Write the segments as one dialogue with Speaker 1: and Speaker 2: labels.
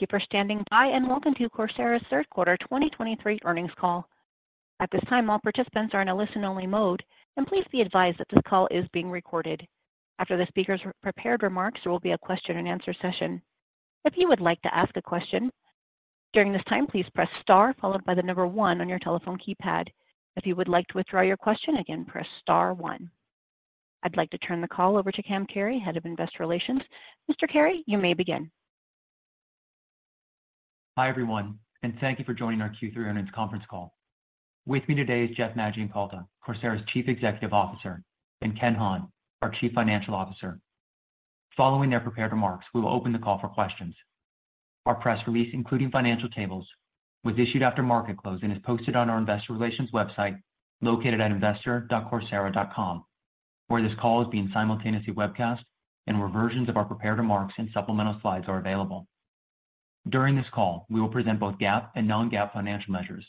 Speaker 1: Thank you for standing by, and welcome to Coursera's third quarter 2023 earnings call. At this time, all participants are in a listen-only mode, and please be advised that this call is being recorded. After the speaker's prepared remarks, there will be a question-and-answer session. If you would like to ask a question during this time, please press star followed by the number one on your telephone keypad. If you would like to withdraw your question, again, press star one. I'd like to turn the call over to Cam Carey, Head of Investor Relations. Mr. Carey, you may begin.
Speaker 2: Hi, everyone, and thank you for joining our Q3 earnings conference call. With me today is Jeff Maggioncalda, Coursera's Chief Executive Officer, and Ken Hahn, our Chief Financial Officer. Following their prepared remarks, we will open the call for questions. Our press release, including financial tables, was issued after market close and is posted on our investor relations website, located at investor.coursera.com, where this call is being simultaneously webcast and where versions of our prepared remarks and supplemental slides are available. During this call, we will present both GAAP and non-GAAP financial measures.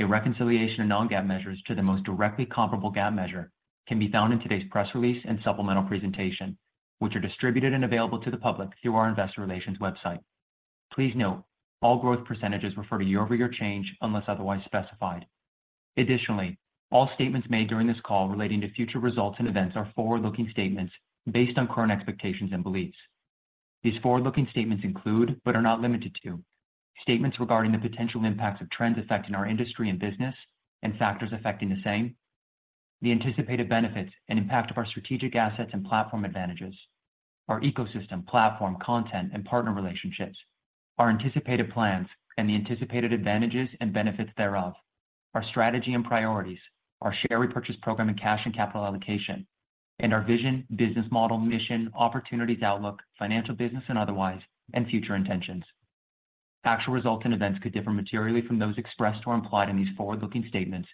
Speaker 2: A reconciliation of non-GAAP measures to the most directly comparable GAAP measure can be found in today's press release and supplemental presentation, which are distributed and available to the public through our investor relations website. Please note, all growth percentages refer to year-over-year change unless otherwise specified. Additionally, all statements made during this call relating to future results and events are forward-looking statements based on current expectations and beliefs. These forward-looking statements include, but are not limited to, statements regarding the potential impacts of trends affecting our industry and business and factors affecting the same, the anticipated benefits and impact of our strategic assets and platform advantages, our ecosystem, platform, content, and partner relationships, our anticipated plans and the anticipated advantages and benefits thereof, our strategy and priorities, our share repurchase program and cash and capital allocation, and our vision, business model, mission, opportunities, outlook, financial, business, and otherwise, and future intentions. Actual results and events could differ materially from those expressed or implied in these forward-looking statements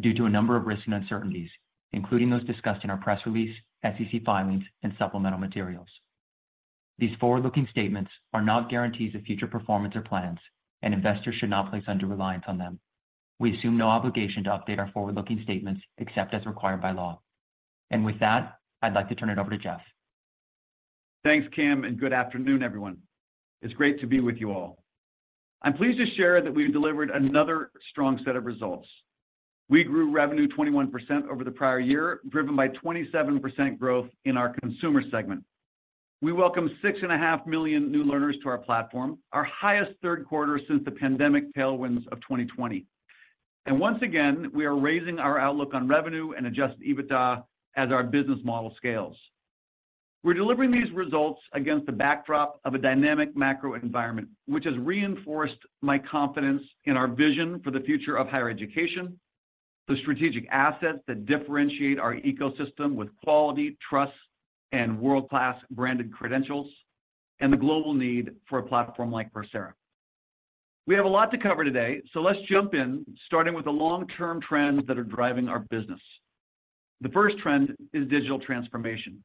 Speaker 2: due to a number of risks and uncertainties, including those discussed in our press release, SEC filings, and supplemental materials. These forward-looking statements are not guarantees of future performance or plans, and investors should not place undue reliance on them. We assume no obligation to update our forward-looking statements except as required by law. With that, I'd like to turn it over to Jeff.
Speaker 3: Thanks, Cam, and good afternoon, everyone. It's great to be with you all. I'm pleased to share that we've delivered another strong set of results. We grew revenue 21% over the prior year, driven by 27% growth in our consumer segment. We welcomed 6.5 million new learners to our platform, our highest third quarter since the pandemic tailwinds of 2020. Once again, we are raising our outlook on revenue and Adjusted EBITDA as our business model scales. We're delivering these results against the backdrop of a dynamic macro environment, which has reinforced my confidence in our vision for the future of higher education, the strategic assets that differentiate our ecosystem with quality, trust, and world-class branded credentials, and the global need for a platform like Coursera. We have a lot to cover today, so let's jump in, starting with the long-term trends that are driving our business. The first trend is digital transformation.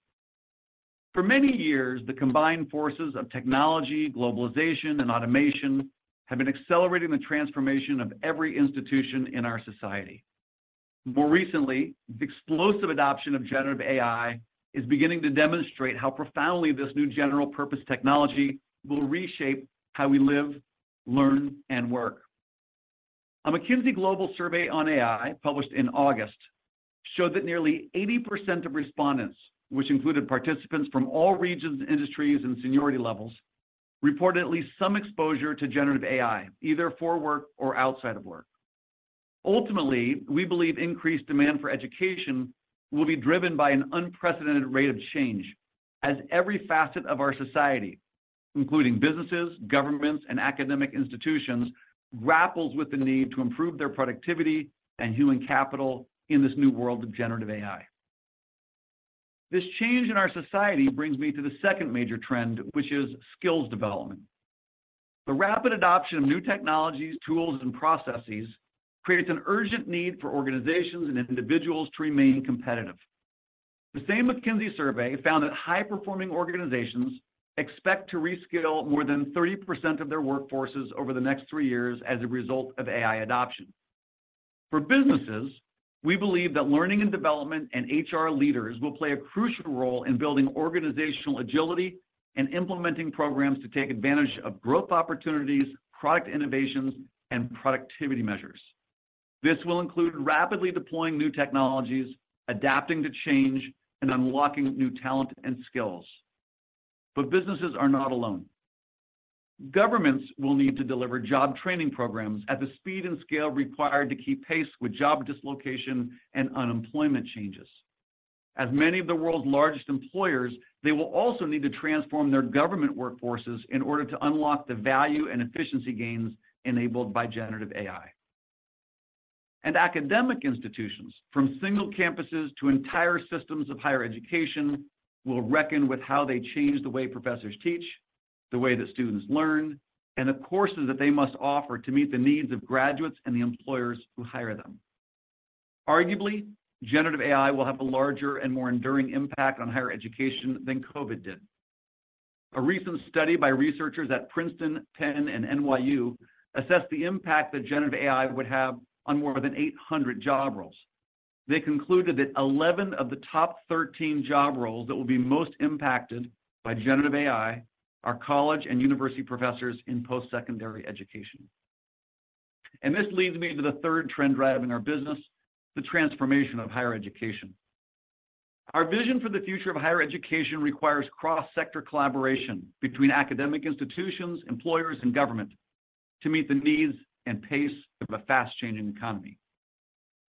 Speaker 3: For many years, the combined forces of technology, globalization, and automation have been accelerating the transformation of every institution in our society. More recently, the explosive adoption of Generative AI is beginning to demonstrate how profoundly this new general-purpose technology will reshape how we live, learn, and work. A McKinsey Global Survey on AI, published in August, showed that nearly 80% of respondents, which included participants from all regions, industries, and seniority levels, reported at least some exposure to Generative AI, either for work or outside of work. Ultimately, we believe increased demand for education will be driven by an unprecedented rate of change, as every facet of our society, including businesses, governments, and academic institutions, grapples with the need to improve their productivity and human capital in this new world of Generative AI. This change in our society brings me to the second major trend, which is skills development. The rapid adoption of new technologies, tools, and processes creates an urgent need for organizations and individuals to remain competitive. The same McKinsey survey found that high-performing organizations expect to reskill more than 30% of their workforces over the next three years as a result of AI adoption. For businesses, we believe that learning and development and HR leaders will play a crucial role in building organizational agility and implementing programs to take advantage of growth opportunities, product innovations, and productivity measures. This will include rapidly deploying new technologies, adapting to change, and unlocking new talent and skills. But businesses are not alone. Governments will need to deliver job training programs at the speed and scale required to keep pace with job dislocation and unemployment changes. As many of the world's largest employers, they will also need to transform their government workforces in order to unlock the value and efficiency gains enabled by Generative AI. And academic institutions, from single campuses to entire systems of higher education, will reckon with how they change the way professors teach, the way that students learn, and the courses that they must offer to meet the needs of graduates and the employers who hire them. Arguably, Generative AI will have a larger and more enduring impact on higher education than COVID did. A recent study by researchers at Princeton, Penn, and N.Y.U. assessed the impact that Generative AI would have on more than 800 job roles. They concluded that 11 of the top 13 job roles that will be most impacted by Generative AI are college and university professors in post-secondary education. This leads me to the third trend driving our business, the transformation of higher education. Our vision for the future of higher education requires cross-sector collaboration between academic institutions, employers, and government to meet the needs and pace of a fast-changing economy.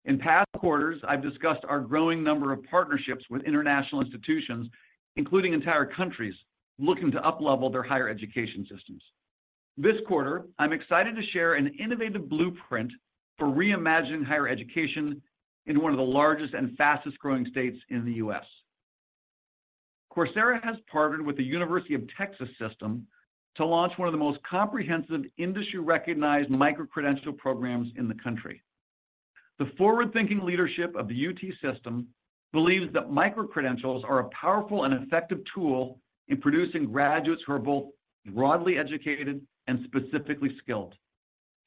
Speaker 3: In past quarters, I've discussed our growing number of partnerships with international institutions, including entire countries looking to uplevel their higher education systems. This quarter, I'm excited to share an innovative blueprint for reimagining higher education in one of the largest and fastest-growing states in the U.S. Coursera has partnered with the University of Texas System to launch one of the most comprehensive, industry-recognized micro-credential programs in the country. The forward-thinking leadership of the UT System believes that micro-credentials are a powerful and effective tool in producing graduates who are both broadly educated and specifically skilled,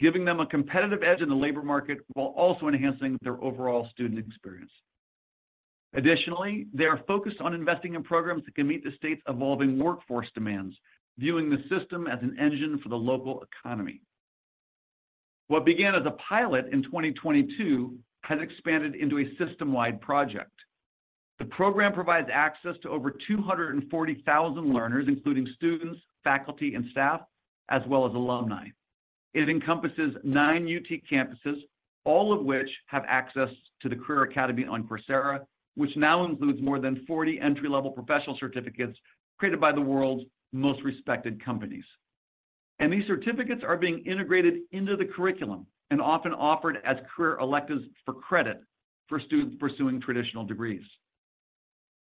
Speaker 3: giving them a competitive edge in the labor market while also enhancing their overall student experience. Additionally, they are focused on investing in programs that can meet the state's evolving workforce demands, viewing the system as an engine for the local economy. What began as a pilot in 2022 has expanded into a system-wide project. The program provides access to over 240,000 learners, including students, faculty, and staff, as well as alumni. It encompasses nine UT campuses, all of which have access to the Career Academy on Coursera, which now includes more than 40 entry-level professional certificates created by the world's most respected companies. These certificates are being integrated into the curriculum and often offered as career electives for credit for students pursuing traditional degrees.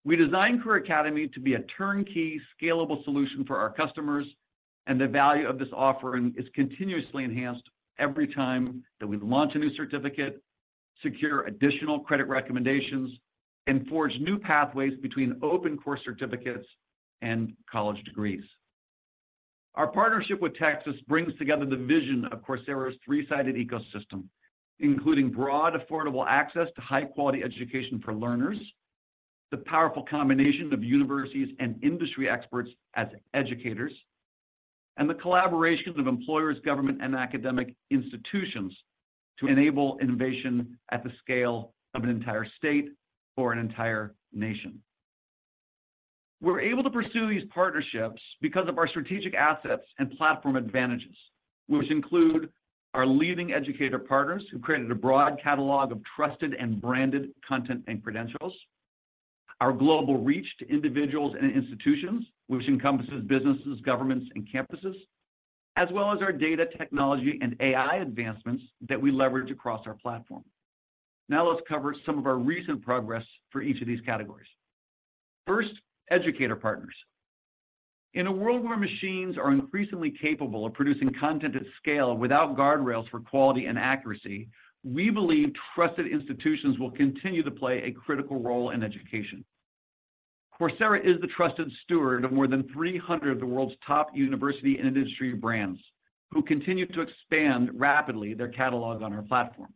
Speaker 3: We designed Career Academy to be a turnkey, scalable solution for our customers, and the value of this offering is continuously enhanced every time that we launch a new certificate, secure additional credit recommendations, and forge new pathways between open course certificates and college degrees. Our partnership with Texas brings together the vision of Coursera's three-sided ecosystem, including broad, affordable access to high-quality education for learners, the powerful combination of universities and industry experts as educators, and the collaborations of employers, government, and academic institutions to enable innovation at the scale of an entire state or an entire nation. We're able to pursue these partnerships because of our strategic assets and platform advantages, which include our leading educator partners, who created a broad catalog of trusted and branded content and credentials, our global reach to individuals and institutions, which encompasses businesses, governments, and campuses, as well as our data technology and AI advancements that we leverage across our platform. Now, let's cover some of our recent progress for each of these categories. First, educator partners. In a world where machines are increasingly capable of producing content at scale without guardrails for quality and accuracy, we believe trusted institutions will continue to play a critical role in education. Coursera is the trusted steward of more than 300 of the world's top university and industry brands, who continue to expand rapidly their catalog on our platform.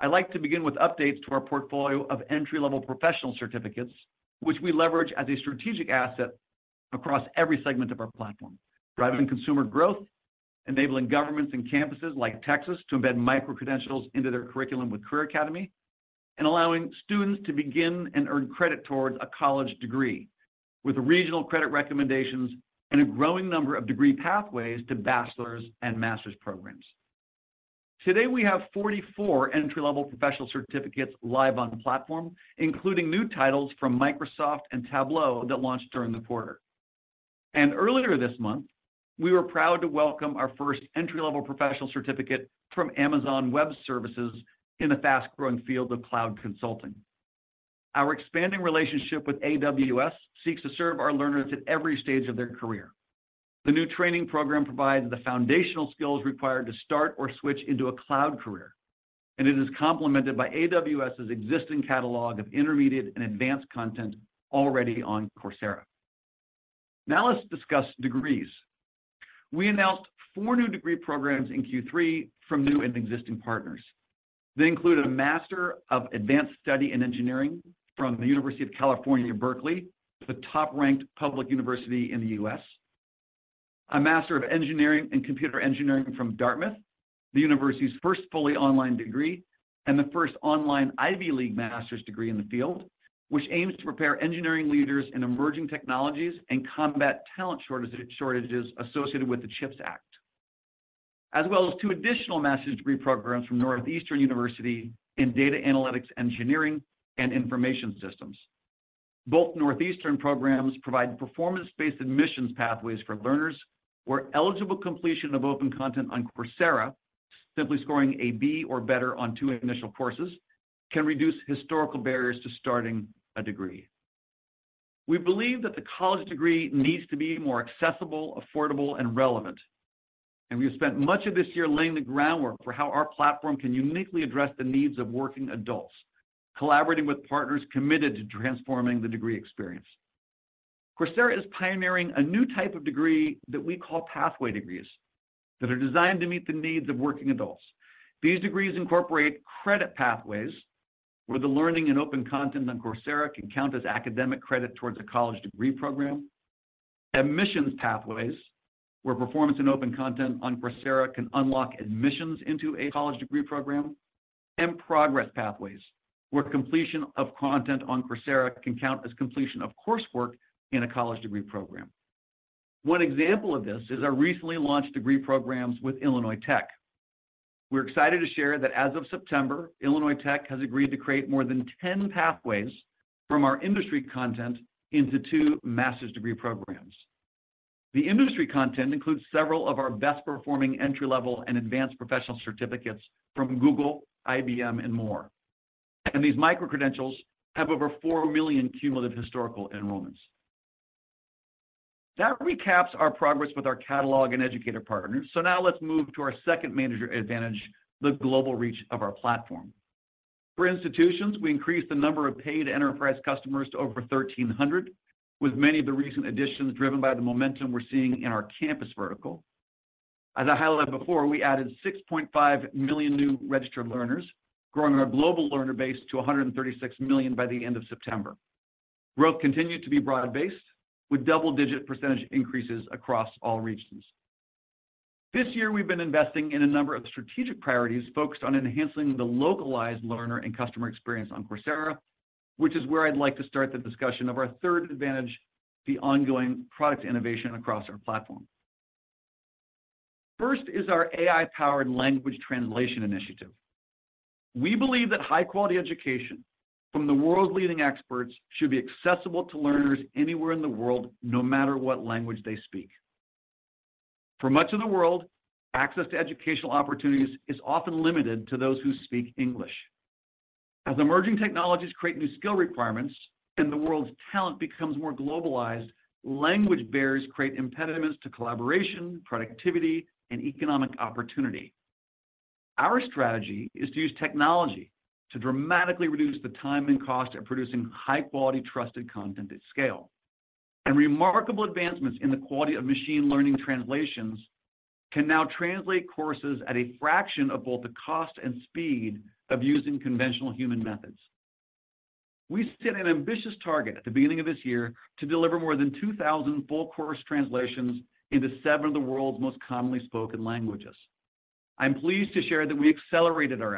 Speaker 3: I'd like to begin with updates to our portfolio of entry-level professional certificates, which we leverage as a strategic asset across every segment of our platform, driving consumer growth, enabling governments and campuses like Texas to embed micro-credentials into their curriculum with Career Academy, and allowing students to begin and earn credit towards a college degree with regional credit recommendations and a growing number of degree pathways to bachelor's and master's programs. Today, we have 44 entry-level professional certificates live on the platform, including new titles from Microsoft and Tableau that launched during the quarter. Earlier this month, we were proud to welcome our first entry-level professional certificate from Amazon Web Services in the fast-growing field of cloud consulting. Our expanding relationship with AWS seeks to serve our learners at every stage of their career. The new training program provides the foundational skills required to start or switch into a cloud career, and it is complemented by AWS's existing catalog of intermediate and advanced content already on Coursera. Now, let's discuss degrees. We announced four new degree programs in Q3 from new and existing partners. They include a Master of Advanced Study in Engineering from the University of California, Berkeley, the top-ranked public university in the U.S. A Master of Engineering in Computer Engineering from Dartmouth, the university's first fully online degree and the first online Ivy League master's degree in the field, which aims to prepare engineering leaders in emerging technologies and combat talent shortages, shortages associated with the CHIPS Act. As well as two additional master's degree programs from Northeastern University in Data Analytics Engineering and Information Systems. Both Northeastern programs provide performance-based admissions pathways for learners, where eligible completion of open content on Coursera, simply scoring a B or better on two initial courses, can reduce historical barriers to starting a degree. We believe that the college degree needs to be more accessible, affordable, and relevant, and we've spent much of this year laying the groundwork for how our platform can uniquely address the needs of working adults, collaborating with partners committed to transforming the degree experience. Coursera is pioneering a new type of degree that we call pathway degrees, that are designed to meet the needs of working adults. These degrees incorporate credit pathways, where the learning and open content on Coursera can count as academic credit towards a college degree program. Admissions pathways, where performance and open content on Coursera can unlock admissions into a college degree program, and progress pathways, where completion of content on Coursera can count as completion of coursework in a college degree program. One example of this is our recently launched degree programs with Illinois Tech. We're excited to share that as of September, Illinois Tech has agreed to create more than 10 pathways from our industry content into two master's degree programs. The industry content includes several of our best-performing entry-level and advanced professional certificates from Google, IBM, and more. These micro-credentials have over 4 million cumulative historical enrollments. That recaps our progress with our catalog and educator partners. Now let's move to our second major advantage, the global reach of our platform. For institutions, we increased the number of paid enterprise customers to over 1,300, with many of the recent additions driven by the momentum we're seeing in our campus vertical. As I highlighted before, we added 6.5 million new registered learners, growing our global learner base to 136 million by the end of September. Growth continued to be broad-based, with double-digit % increases across all regions. This year, we've been investing in a number of strategic priorities focused on enhancing the localized learner and customer experience on Coursera, which is where I'd like to start the discussion of our third advantage, the ongoing product innovation across our platform. First is our AI-powered language translation initiative. We believe that high-quality education from the world's leading experts should be accessible to learners anywhere in the world, no matter what language they speak. For much of the world, access to educational opportunities is often limited to those who speak English. As emerging technologies create new skill requirements and the world's talent becomes more globalized, language barriers create impediments to collaboration, productivity, and economic opportunity. Our strategy is to use technology to dramatically reduce the time and cost of producing high-quality, trusted content at scale. Remarkable advancements in the quality of machine learning translations can now translate courses at a fraction of both the cost and speed of using conventional human methods. We set an ambitious target at the beginning of this year to deliver more than 2,000 full course translations into seven of the world's most commonly spoken languages. I'm pleased to share that we accelerated our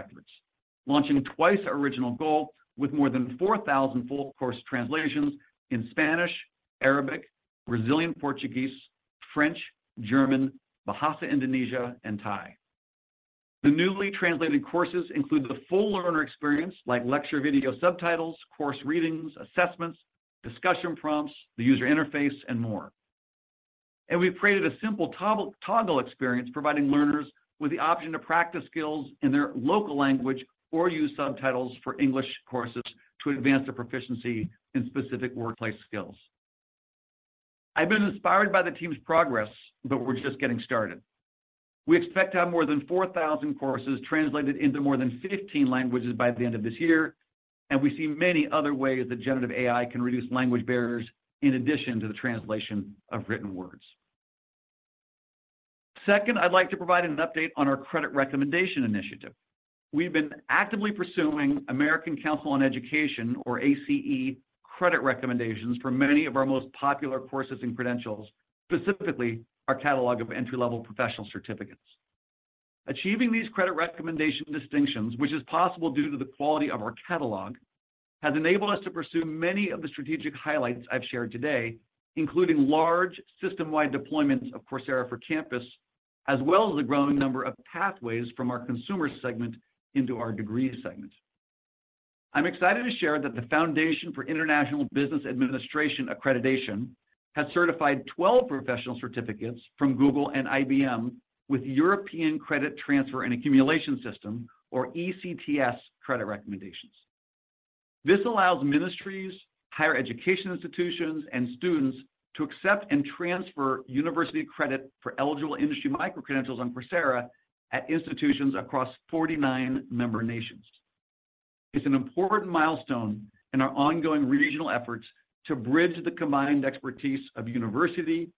Speaker 3: efforts, launching twice our original goal with more than 4,000 full course translations in Spanish, Arabic, Brazilian, Portuguese, French, German, Bahasa Indonesia, and Thai. The newly translated courses include the full learner experience, like lecture video subtitles, course readings, assessments, discussion prompts, the user interface, and more. We've created a simple toggle experience, providing learners with the option to practice skills in their local language or use subtitles for English courses to advance their proficiency in specific workplace skills. I've been inspired by the team's progress, but we're just getting started. We expect to have more than 4,000 courses translated into more than 15 languages by the end of this year, and we see many other ways that Generative AI can reduce language barriers in addition to the translation of written words. Second, I'd like to provide an update on our credit recommendation initiative. We've been actively pursuing American Council on Education, or ACE, credit recommendations for many of our most popular courses and credentials, specifically our catalog of entry-level professional certificates. Achieving these credit recommendation distinctions, which is possible due to the quality of our catalog, has enabled us to pursue many of the strategic highlights I've shared today, including large system-wide deployments of Coursera for Campus, as well as a growing number of pathways from our consumer segment into our degree segment. I'm excited to share that the Foundation for International Business Administration Accreditation has certified 12 professional certificates from Google and IBM with European Credit Transfer and Accumulation System, or ECTS, credit recommendations. This allows ministries, higher education institutions, and students to accept and transfer university credit for eligible industry micro-credentials on Coursera at institutions across 49 member nations. It's an important milestone in our ongoing regional efforts to bridge the combined expertise of university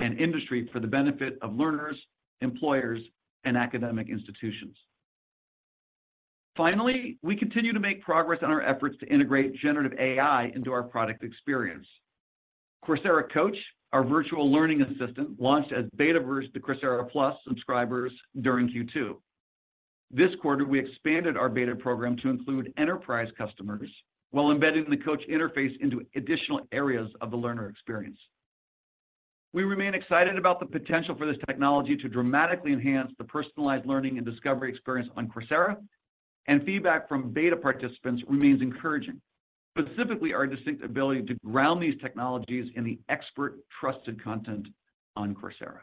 Speaker 3: and industry for the benefit of learners, employers, and academic institutions. Finally, we continue to make progress on our efforts to integrate Generative AI into our product experience. Coursera Coach, our virtual learning assistant, launched as beta versus the Coursera Plus subscribers during Q2. This quarter, we expanded our beta program to include enterprise customers while embedding the coach interface into additional areas of the learner experience. We remain excited about the potential for this technology to dramatically enhance the personalized learning and discovery experience on Coursera, and feedback from beta participants remains encouraging, specifically our distinct ability to ground these technologies in the expert, trusted content on Coursera.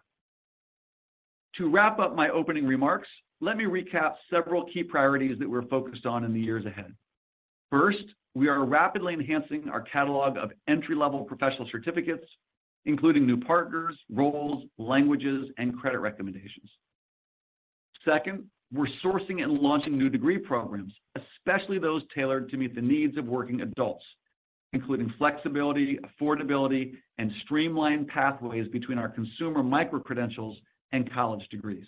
Speaker 3: To wrap up my opening remarks, let me recap several key priorities that we're focused on in the years ahead. First, we are rapidly enhancing our catalog of entry-level professional certificates, including new partners, roles, languages, and credit recommendations. Second, we're sourcing and launching new degree programs, especially those tailored to meet the needs of working adults, including flexibility, affordability, and streamlined pathways between our consumer micro-credentials and college degrees.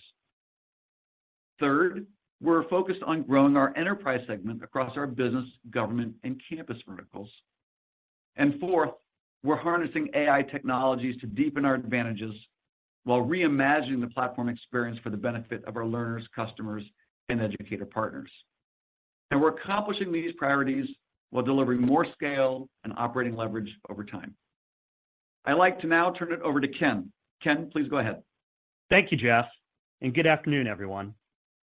Speaker 3: Third, we're focused on growing our enterprise segment across our business, government, and campus verticals. And fourth, we're harnessing AI technologies to deepen our advantages while reimagining the platform experience for the benefit of our learners, customers, and educator partners. And we're accomplishing these priorities while delivering more scale and operating leverage over time. I'd like to now turn it over to Ken. Ken, please go ahead.
Speaker 4: Thank you, Jeff, and good afternoon, everyone.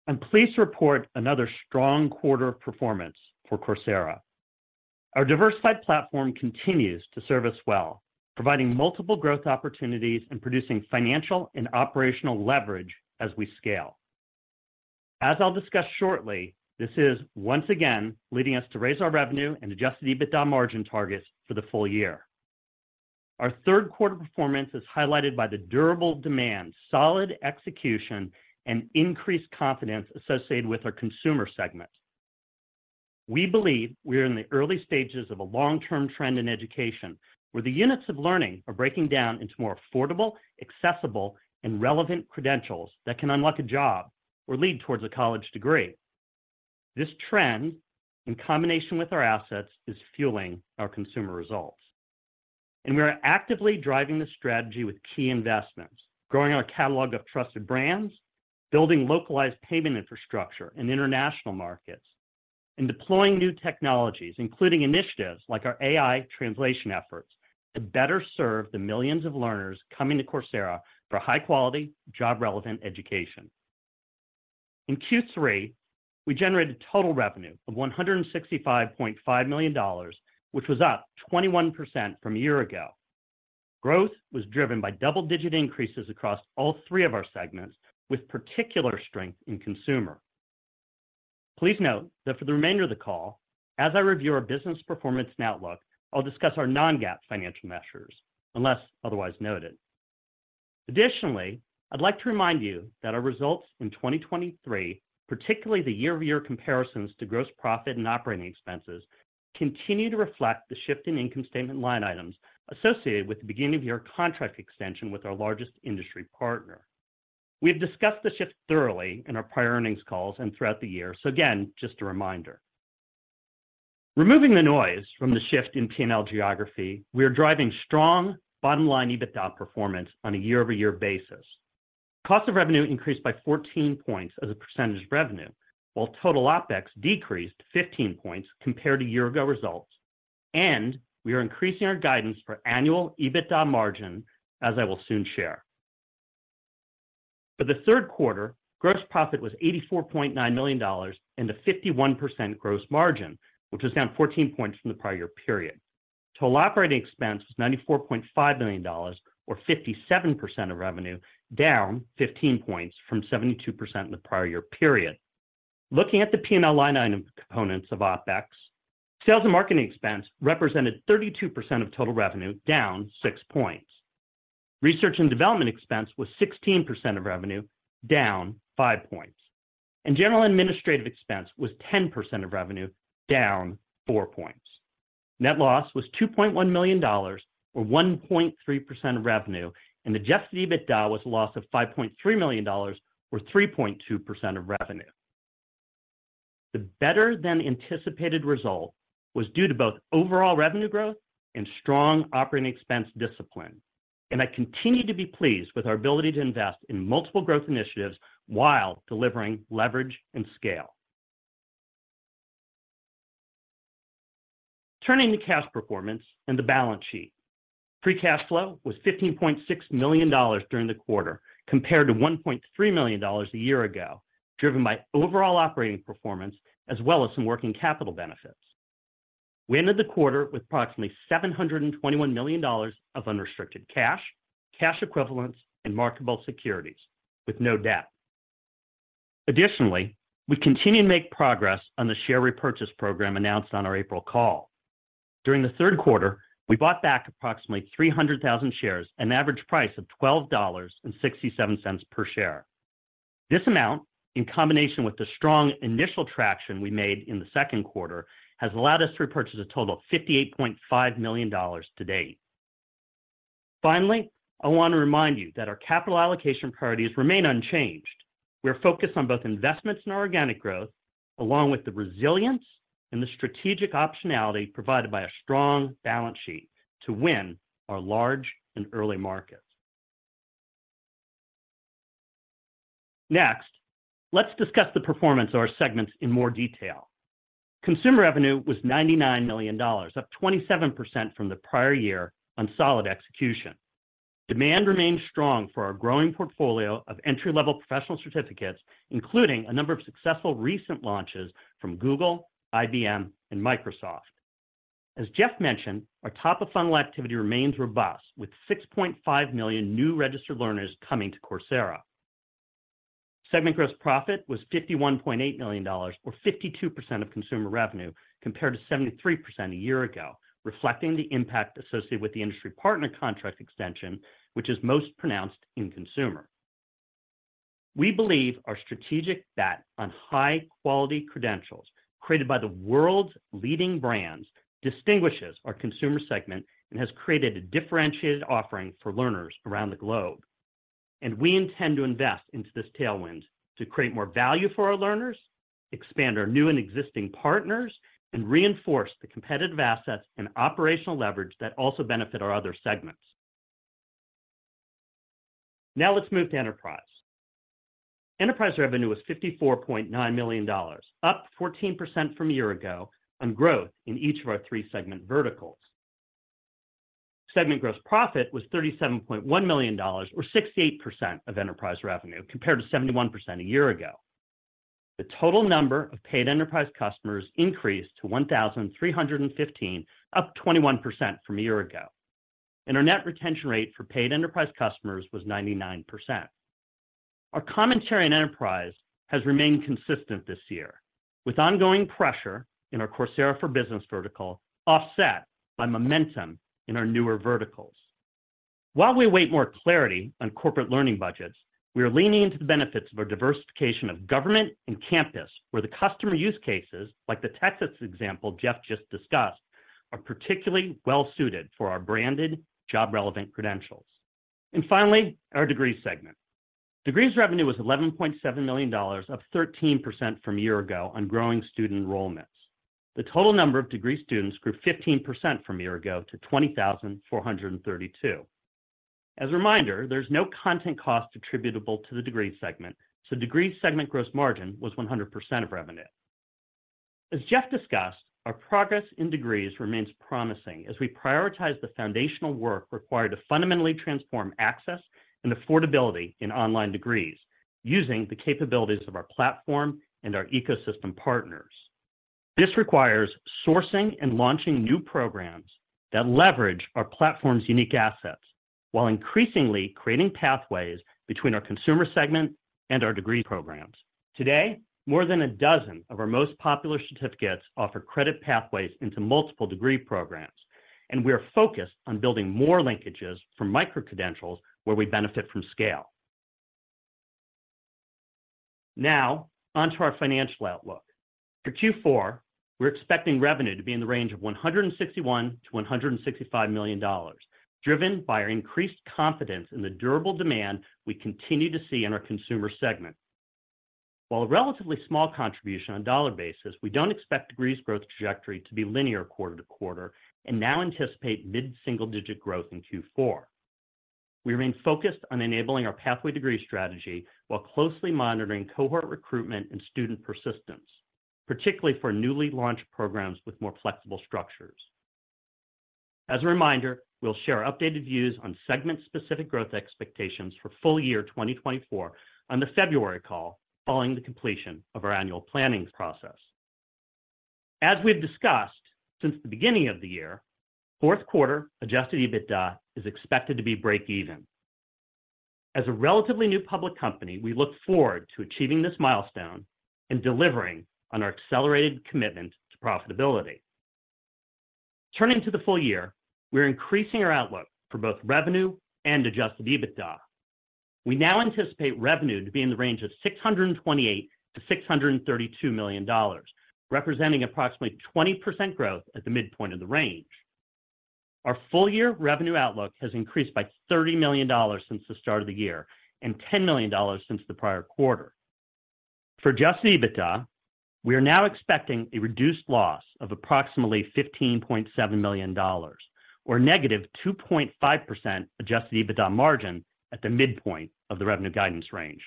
Speaker 4: I'm pleased to report another strong quarter of performance for Coursera. Our diversified platform continues to serve us well, providing multiple growth opportunities and producing financial and operational leverage as we scale. As I'll discuss shortly, this is once again leading us to raise our revenue and Adjusted EBITDA margin targets for the full year. Our third quarter performance is highlighted by the durable demand, solid execution, and increased confidence associated with our consumer segment. We believe we are in the early stages of a long-term trend in education, where the units of learning are breaking down into more affordable, accessible, and relevant credentials that can unlock a job or lead towards a college degree. This trend, in combination with our assets, is fueling our consumer results. We are actively driving the strategy with key investments, growing our catalog of trusted brands, building localized payment infrastructure in international markets, and deploying new technologies, including initiatives like our AI translation efforts, to better serve the millions of learners coming to Coursera for high-quality, job-relevant education. In Q3, we generated total revenue of $165.5 million, which was up 21% from a year ago. Growth was driven by double-digit increases across all three of our segments, with particular strength in consumer. Please note that for the remainder of the call, as I review our business performance and outlook, I'll discuss our non-GAAP financial measures, unless otherwise noted. Additionally, I'd like to remind you that our results in 2023, particularly the year-over-year comparisons to gross profit and operating expenses, continue to reflect the shift in income statement line items associated with the beginning of your contract extension with our largest industry partner. We have discussed the shift thoroughly in our prior earnings calls and throughout the year. So again, just a reminder. Removing the noise from the shift in P&L geography, we are driving strong bottom-line EBITDA performance on a year-over-year basis. Cost of revenue increased by 14 points as a percentage of revenue, while total OpEx decreased 15 points compared to year-ago results, and we are increasing our guidance for annual EBITDA margin, as I will soon share. For the third quarter, gross profit was $84.9 million, and a 51% gross margin, which was down 14 points from the prior year period. Total operating expense was $94.5 million, or 57% of revenue, down 15 points from 72% in the prior year period. Looking at the P&L line item components of OpEx, sales and marketing expense represented 32% of total revenue, down 6 points. Research and development expense was 16% of revenue, down 5 points. General administrative expense was 10% of revenue, down 4 points. Net loss was $2.1 million, or 1.3% of revenue, and the Adjusted EBITDA was a loss of $5.3 million, or 3.2% of revenue. The better-than-anticipated result was due to both overall revenue growth and strong operating expense discipline, and I continue to be pleased with our ability to invest in multiple growth initiatives while delivering leverage and scale. Turning to cash performance and the balance sheet. Free cash flow was $15.6 million during the quarter, compared to $1.3 million a year ago, driven by overall operating performance, as well as some working capital benefits. We ended the quarter with approximately $721 million of unrestricted cash, cash equivalents, and marketable securities, with no debt. Additionally, we continue to make progress on the share repurchase program announced on our April call. During the third quarter, we bought back approximately 300,000 shares, an average price of $12.67 per share. This amount, in combination with the strong initial traction we made in the second quarter, has allowed us to repurchase a total of $58.5 million to date. Finally, I want to remind you that our capital allocation priorities remain unchanged. We're focused on both investments in our organic growth, along with the resilience and the strategic optionality provided by a strong balance sheet to win our large and early markets. Next, let's discuss the performance of our segments in more detail. Consumer revenue was $99 million, up 27% from the prior year on solid execution. Demand remains strong for our growing portfolio of entry-level professional certificates, including a number of successful recent launches from Google, IBM, and Microsoft. As Jeff mentioned, our top-of-funnel activity remains robust, with 6.5 million new registered learners coming to Coursera. Segment gross profit was $51.8 million, or 52% of consumer revenue, compared to 73% a year ago, reflecting the impact associated with the industry partner contract extension, which is most pronounced in consumer. We believe our strategic bet on high-quality credentials created by the world's leading brands distinguishes our consumer segment and has created a differentiated offering for learners around the globe. We intend to invest into this tailwind to create more value for our learners, expand our new and existing partners, and reinforce the competitive assets and operational leverage that also benefit our other segments. Now, let's move to Enterprise. Enterprise revenue was $54.9 million, up 14% from a year ago, on growth in each of our three segment verticals. Segment gross profit was $37.1 million or 68% of enterprise revenue, compared to 71% a year ago. The total number of paid enterprise customers increased to 1,315, up 21% from a year ago, and our net retention rate for paid enterprise customers was 99%. Our commentary on Enterprise has remained consistent this year, with ongoing pressure in our Coursera for Business vertical, offset by momentum in our newer verticals. While we await more clarity on corporate learning budgets, we are leaning into the benefits of our diversification of government and campus, where the customer use cases, like the Texas example Jeff just discussed, are particularly well suited for our branded job-relevant credentials. Finally, our Degrees segment. Degrees revenue was $11.7 million, up 13% from a year ago on growing student enrollments. The total number of degree students grew 15% from a year ago to 20,432. As a reminder, there's no content cost attributable to the Degrees segment, so Degrees segment gross margin was 100% of revenue. As Jeff discussed, our progress in Degrees remains promising as we prioritize the foundational work required to fundamentally transform access and affordability in online degrees, using the capabilities of our platform and our ecosystem partners. This requires sourcing and launching new programs that leverage our platform's unique assets, while increasingly creating pathways between our consumer segment and our degree programs. Today, more than a dozen of our most popular certificates offer credit pathways into multiple degree programs, and we are focused on building more linkages from micro-credentials where we benefit from scale. Now, on to our financial outlook. For Q4, we're expecting revenue to be in the range of $161 million-$165 million, driven by our increased confidence in the durable demand we continue to see in our consumer segment. While a relatively small contribution on a dollar basis, we don't expect degrees growth trajectory to be linear quarter to quarter and now anticipate mid-single-digit growth in Q4. We remain focused on enabling our pathway degree strategy while closely monitoring cohort recruitment and student persistence, particularly for newly launched programs with more flexible structures. As a reminder, we'll share our updated views on segment-specific growth expectations for full year 2024 on the February call, following the completion of our annual planning process. As we've discussed since the beginning of the year, fourth quarter Adjusted EBITDA is expected to be breakeven. As a relatively new public company, we look forward to achieving this milestone and delivering on our accelerated commitment to profitability. Turning to the full year, we're increasing our outlook for both revenue and Adjusted EBITDA. We now anticipate revenue to be in the range of $628 million-$632 million, representing approximately 20% growth at the midpoint of the range. Our full-year revenue outlook has increased by $30 million since the start of the year, and $10 million since the prior quarter. For Adjusted EBITDA, we are now expecting a reduced loss of approximately $15.7 million or negative 2.5% Adjusted EBITDA margin at the midpoint of the revenue guidance range.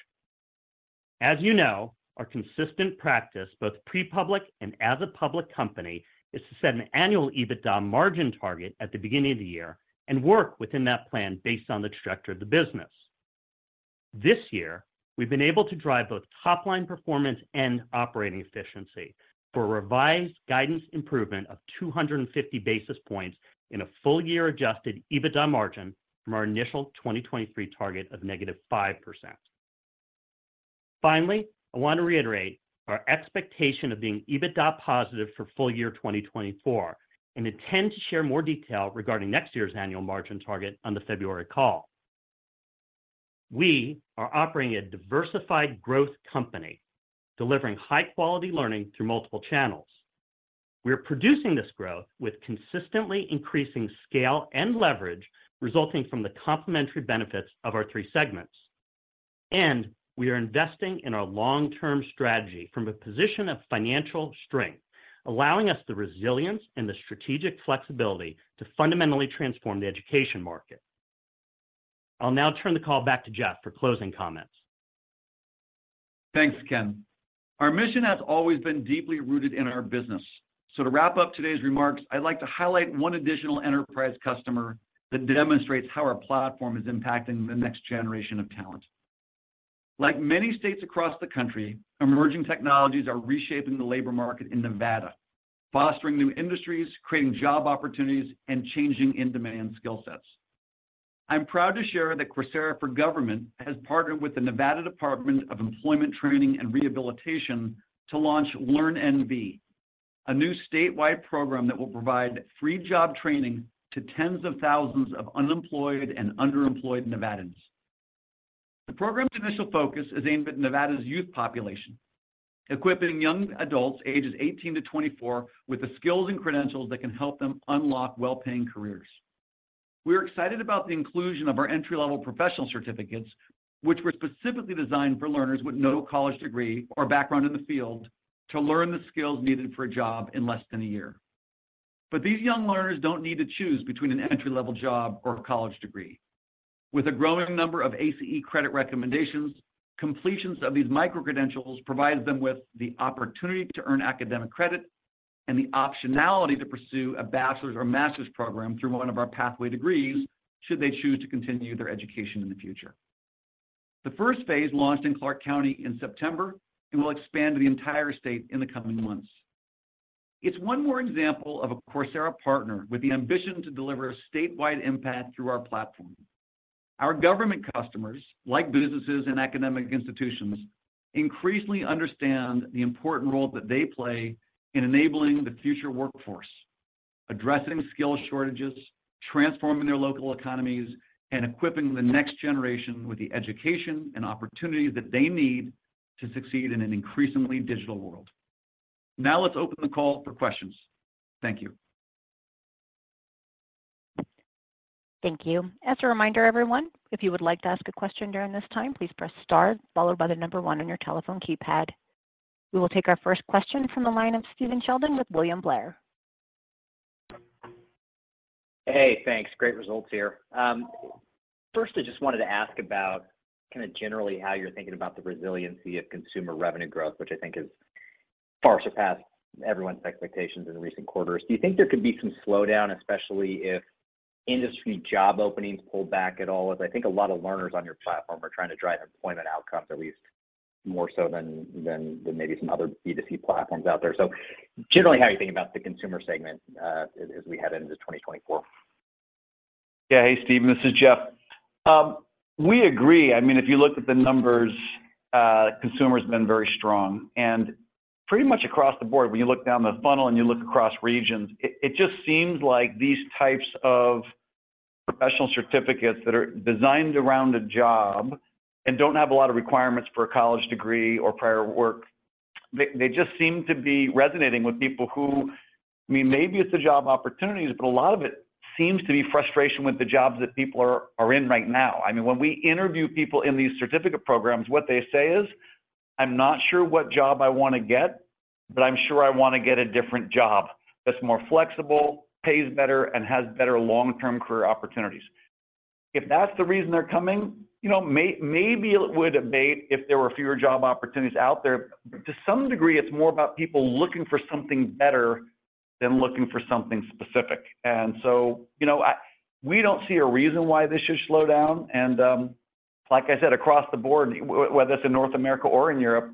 Speaker 4: As you know, our consistent practice, both pre-public and as a public company, is to set an annual EBITDA margin target at the beginning of the year and work within that plan based on the structure of the business. This year, we've been able to drive both top-line performance and operating efficiency for a revised guidance improvement of 250 basis points in a full-year Adjusted EBITDA margin from our initial 2023 target of -5%. Finally, I want to reiterate our expectation of being EBITDA positive for full year 2024, and intend to share more detail regarding next year's annual margin target on the February call. We are operating a diversified growth company, delivering high-quality learning through multiple channels. We are producing this growth with consistently increasing scale and leverage, resulting from the complementary benefits of our three segments. And we are investing in our long-term strategy from a position of financial strength, allowing us the resilience and the strategic flexibility to fundamentally transform the education market. I'll now turn the call back to Jeff for closing comments.
Speaker 3: Thanks, Ken. Our mission has always been deeply rooted in our business. So to wrap up today's remarks, I'd like to highlight one additional enterprise customer that demonstrates how our platform is impacting the next generation of talent. Like many states across the country, emerging technologies are reshaping the labor market in Nevada, fostering new industries, creating job opportunities, and changing in-demand skill sets. I'm proud to share that Coursera for Government has partnered with the Nevada Department of Employment, Training and Rehabilitation to launch LearnNV, a new statewide program that will provide free job training to tens of thousands of unemployed and underemployed Nevadans. The program's initial focus is aimed at Nevada's youth population, equipping young adults ages 18 to 24 with the skills and credentials that can help them unlock well-paying careers. We're excited about the inclusion of our entry-level professional certificates, which were specifically designed for learners with no college degree or background in the field, to learn the skills needed for a job in less than a year. These young learners don't need to choose between an entry-level job or a college degree. With a growing number of ACE credit recommendations, completions of these micro-credentials provide them with the opportunity to earn academic credit and the optionality to pursue a bachelor's or master's program through one of our pathway degrees, should they choose to continue their education in the future. The first phase launched in Clark County in September and will expand to the entire state in the coming months. It's one more example of a Coursera partner with the ambition to deliver a statewide impact through our platform. Our government customers, like businesses and academic institutions, increasingly understand the important role that they play in enabling the future workforce, addressing skill shortages, transforming their local economies, and equipping the next generation with the education and opportunities that they need to succeed in an increasingly digital world. Now, let's open the call for questions. Thank you.
Speaker 1: Thank you. As a reminder, everyone, if you would like to ask a question during this time, please press star followed by the number one on your telephone keypad. We will take our first question from the line of Stephen Sheldon with William Blair.
Speaker 5: Hey, thanks. Great results here. Firstly, just wanted to ask about kinda generally how you're thinking about the resiliency of consumer revenue growth, which I think is far surpassed everyone's expectations in recent quarters. Do you think there could be some slowdown, especially if industry job openings pull back at all? As I think a lot of learners on your platform are trying to drive employment outcomes, at least more so than, than maybe some other B2C platforms out there. So generally, how are you thinking about the consumer segment, as we head into 2024?
Speaker 3: Yeah. Hey, Stephen, this is Jeff. We agree. I mean, if you look at the numbers, consumer has been very strong. Pretty much across the board, when you look down the funnel and you look across regions, it, it just seems like these types of professional certificates that are designed around a job and don't have a lot of requirements for a college degree or prior work, they, they just seem to be resonating with people who—I mean, maybe it's the job opportunities, but a lot of it seems to be frustration with the jobs that people are, are in right now. I mean, when we interview people in these certificate programs, what they say is: "I'm not sure what job I wanna get, but I'm sure I wanna get a different job that's more flexible, pays better, and has better long-term career opportunities." If that's the reason they're coming, you know, maybe it would abate if there were fewer job opportunities out there. To some degree, it's more about people looking for something better than looking for something specific. And so, you know, we don't see a reason why this should slow down. And, like I said, across the board, whether it's in North America or in Europe,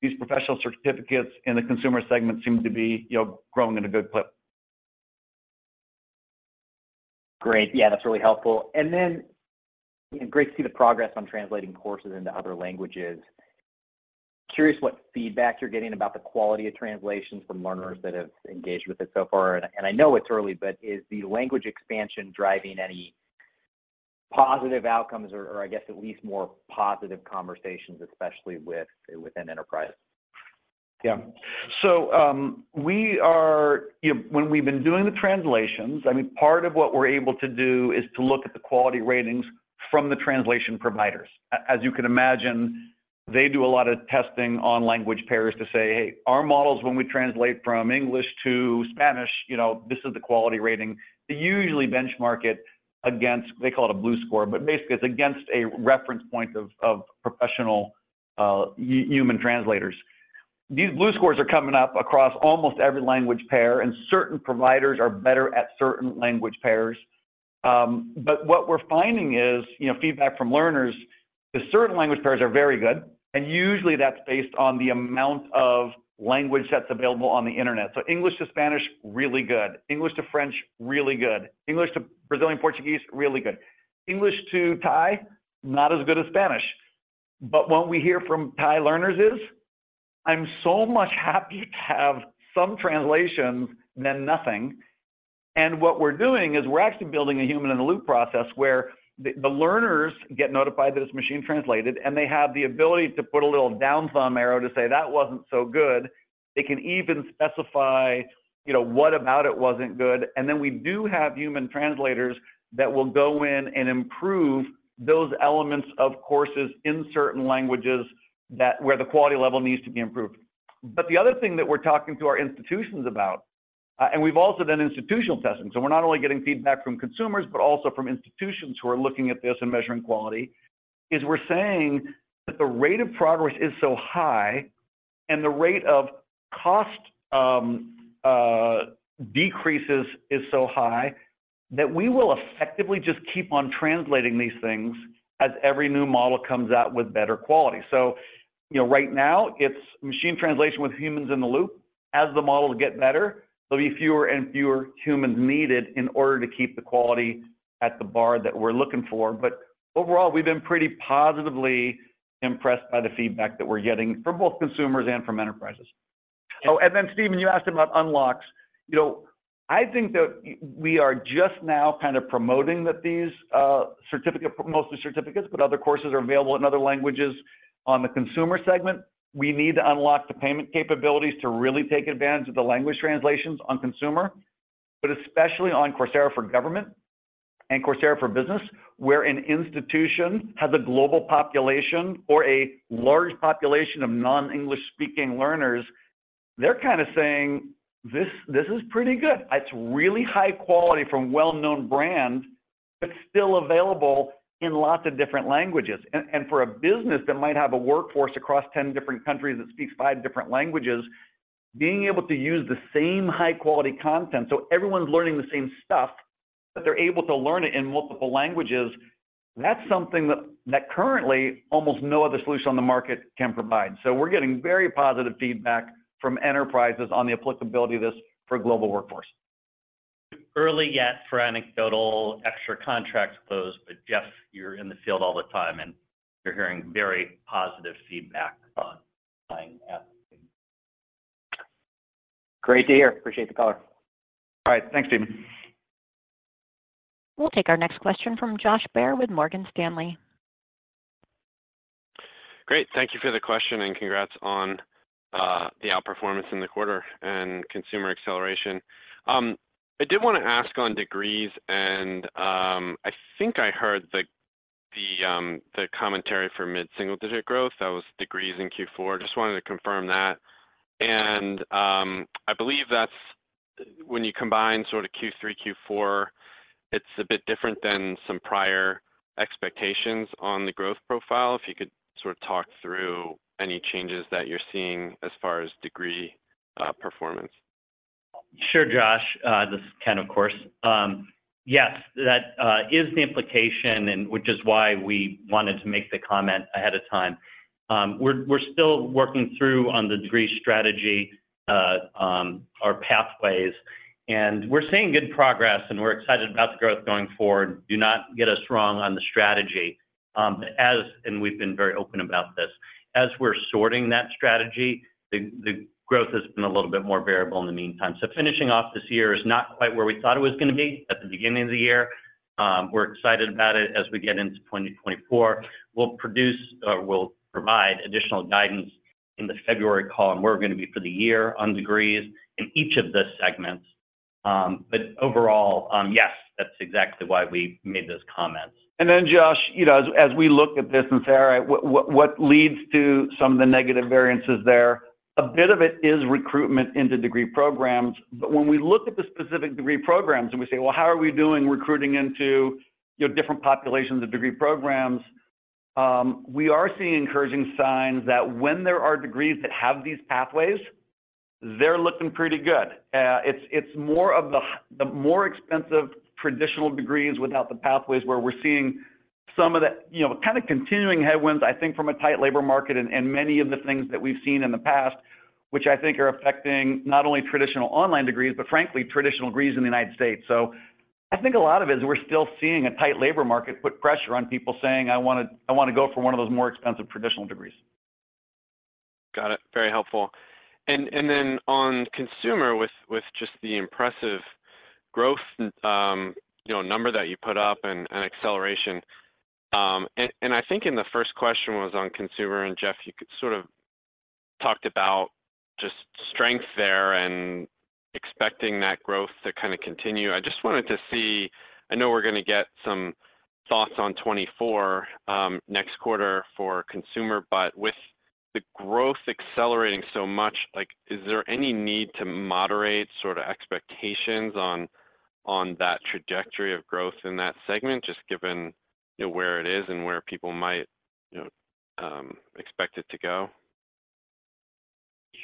Speaker 3: these professional certificates in the consumer segment seem to be, you know, growing at a good clip.
Speaker 5: Great. Yeah, that's really helpful. And then, great to see the progress on translating courses into other languages. Curious what feedback you're getting about the quality of translations from learners that have engaged with it so far. And I know it's early, but is the language expansion driving any positive outcomes, or I guess, at least more positive conversations, especially within enterprise?
Speaker 3: Yeah. We are... You know, when we've been doing the translations, I mean, part of what we're able to do is to look at the quality ratings from the translation providers. As you can imagine, they do a lot of testing on language pairs to say, "Hey, our models, when we translate from English to Spanish, you know, this is the quality rating." They usually benchmark it against, they call it a BLEU score, but basically, it's against a reference point of, of professional, human translators. These BLEU scores are coming up across almost every language pair, and certain providers are better at certain language pairs. What we're finding is, you know, feedback from learners, that certain language pairs are very good, and usually that's based on the amount of language that's available on the internet. So English to Spanish, really good. English to French, really good. English to Brazilian Portuguese, really good. English to Thai, not as good as Spanish. But what we hear from Thai learners is, "I'm so much happy to have some translations than nothing." And what we're doing is we're actually building a human-in-the-loop process, where the learners get notified that it's machine translated, and they have the ability to put a little down thumb arrow to say, "That wasn't so good." They can even specify, you know, what about it wasn't good. And then, we do have human translators that will go in and improve those elements of courses in certain languages where the quality level needs to be improved. But the other thing that we're talking to our institutions about, and we've also done institutional testing. We're not only getting feedback from consumers, but also from institutions who are looking at this and measuring quality, is we're saying that the rate of progress is so high, and the rate of cost decreases is so high, that we will effectively just keep on translating these things as every new model comes out with better quality. You know, right now, it's machine translation with humans in the loop. As the models get better, there'll be fewer and fewer humans needed in order to keep the quality at the bar that we're looking for. Overall, we've been pretty positively impressed by the feedback that we're getting from both consumers and from enterprises. Oh, and then Steven, you asked him about unlocks. You know, I think that we are just now kind of promoting that these certificate, mostly certificates, but other courses are available in other languages on the consumer segment. We need to unlock the payment capabilities to really take advantage of the language translations on consumer, but especially on Coursera for Government and Coursera for Business, where an institution has a global population or a large population of non-English speaking learners, they're kind of saying, "This, this is pretty good. It's really high quality from well-known brands, but still available in lots of different languages." And, and for a business that might have a workforce across 10 different countries that speaks five different languages, being able to use the same high quality content, so everyone's learning the same stuff, but they're able to learn it in multiple languages, that's something that, that currently almost no other solution on the market can provide. So we're getting very positive feedback from enterprises on the applicability of this for global workforce.
Speaker 4: Early yet for anecdotal extra contracts closed, Jeff, you're in the field all the time, and you're hearing very positive feedback on applying the app. Great to hear. Appreciate the call.
Speaker 3: All right, thanks, Stephen.
Speaker 1: We'll take our next question from Josh Baer with Morgan Stanley.
Speaker 6: Great. Thank you for the question, and congrats on the outperformance in the quarter and consumer acceleration. I did wanna ask on degrees, and I think I heard the commentary for mid-single-digit growth. That was degrees in Q4. Just wanted to confirm that. And I believe that's when you combine sort of Q3, Q4, it's a bit different than some prior expectations on the growth profile. If you could sort of talk through any changes that you're seeing as far as degree performance.
Speaker 4: Sure, Josh. This is Ken, of course. Yes, that is the implication and which is why we wanted to make the comment ahead of time. We're still working through on the degree strategy, our pathways, and we're seeing good progress, and we're excited about the growth going forward. Do not get us wrong on the strategy. And we've been very open about this. As we're sorting that strategy, the growth has been a little bit more variable in the meantime. So finishing off this year is not quite where we thought it was gonna be at the beginning of the year. We're excited about it as we get into 2024. We'll produce, or we'll provide additional guidance in the February call, and we're gonna be for the year on degrees in each of the segments. But overall, yes, that's exactly why we made those comments.
Speaker 3: And then Josh, you know, as we look at this and figure out what leads to some of the negative variances there, a bit of it is recruitment into degree programs. But when we look at the specific degree programs and we say: Well, how are we doing recruiting into, you know, different populations of degree programs? We are seeing encouraging signs that when there are degrees that have these pathways, they're looking pretty good. It's more of the more expensive traditional degrees without the pathways, where we're seeing some of the, you know, kind of continuing headwinds, I think, from a tight labor market and many of the things that we've seen in the past, which I think are affecting not only traditional online degrees, but frankly, traditional degrees in the United States. I think a lot of it is we're still seeing a tight labor market put pressure on people saying, "I wanna, I wanna go for one of those more expensive traditional degrees.
Speaker 6: Got it. Very helpful. And then on consumer, with just the impressive growth, you know, number that you put up and acceleration, and I think in the first question was on consumer, and Jeff, you could sort of talked about just strength there and expecting that growth to kind of continue. I just wanted to see—I know we're gonna get some thoughts on 2024, next quarter for consumer, but with the growth accelerating so much, like, is there any need to moderate sort of expectations on that trajectory of growth in that segment, just given, you know, where it is and where people might, you know, expect it to go?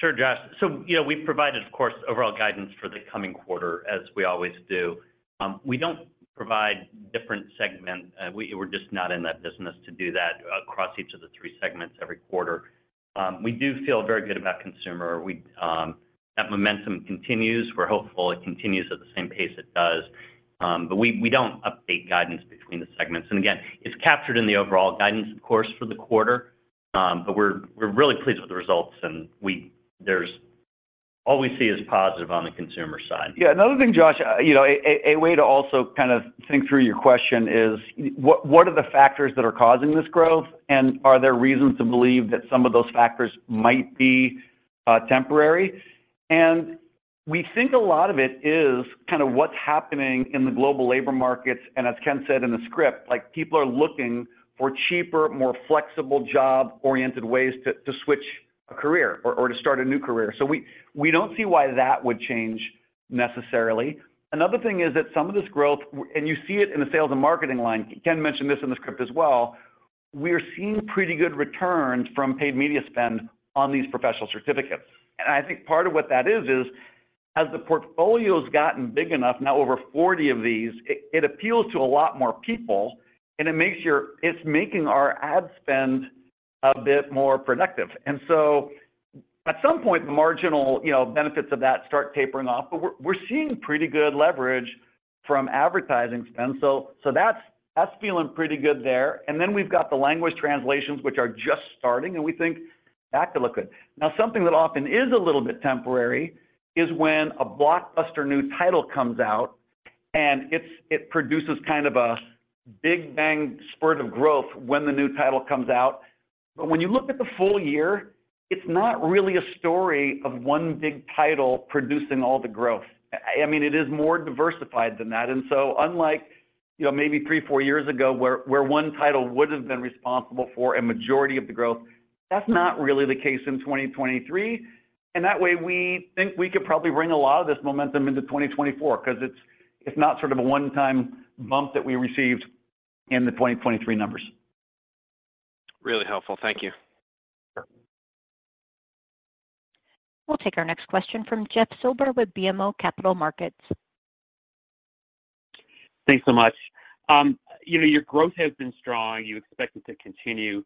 Speaker 4: Sure, Josh. So, you know, we've provided, of course, overall guidance for the coming quarter, as we always do. We don't provide different segment- we're just not in that business to do that across each of the three segments every quarter. We do feel very good about consumer. We, that momentum continues. We're hopeful it continues at the same pace it does, but we, we don't update guidance between the segments. And again, it's captured in the overall guidance, of course, for the quarter. But we're, we're really pleased with the results, and all we see is positive on the consumer side.
Speaker 3: Yeah, another thing, Josh, you know, a way to also kind of think through your question is: What are the factors that are causing this growth? And are there reasons to believe that some of those factors might be temporary? And we think a lot of it is kind of what's happening in the global labor markets, and as Ken said in the script, like, people are looking for cheaper, more flexible job-oriented ways to switch a career or to start a new career. So we don't see why that would change necessarily. Another thing is that some of this growth, and you see it in the sales and marketing line, Ken mentioned this in the script as well, we're seeing pretty good returns from paid media spend on these professional certificates. And I think part of what that is, is as the portfolio's gotten big enough, now over 40 of these, it appeals to a lot more people, and it makes your—it's making our ad spend a bit more productive. And so at some point, the marginal, you know, benefits of that start tapering off, but we're seeing pretty good leverage from advertising spend. So that's feeling pretty good there. And then we've got the language translations, which are just starting, and we think that could look good. Now, something that often is a little bit temporary is when a blockbuster new title comes out, and it's—it produces kind of a big bang spurt of growth when the new title comes out. But when you look at the full year, it's not really a story of one big title producing all the growth. I mean, it is more diversified than that. And so unlike, you know, maybe three, four years ago, where one title would've been responsible for a majority of the growth, that's not really the case in 2023. And that way, we think we could probably bring a lot of this momentum into 2024, 'cause it's not sort of a one-time bump that we received in the 2023 numbers.
Speaker 6: Really helpful. Thank you.
Speaker 4: Sure.
Speaker 1: We'll take our next question from Jeff Silber with BMO Capital Markets.
Speaker 7: Thanks so much. You know, your growth has been strong. You expect it to continue.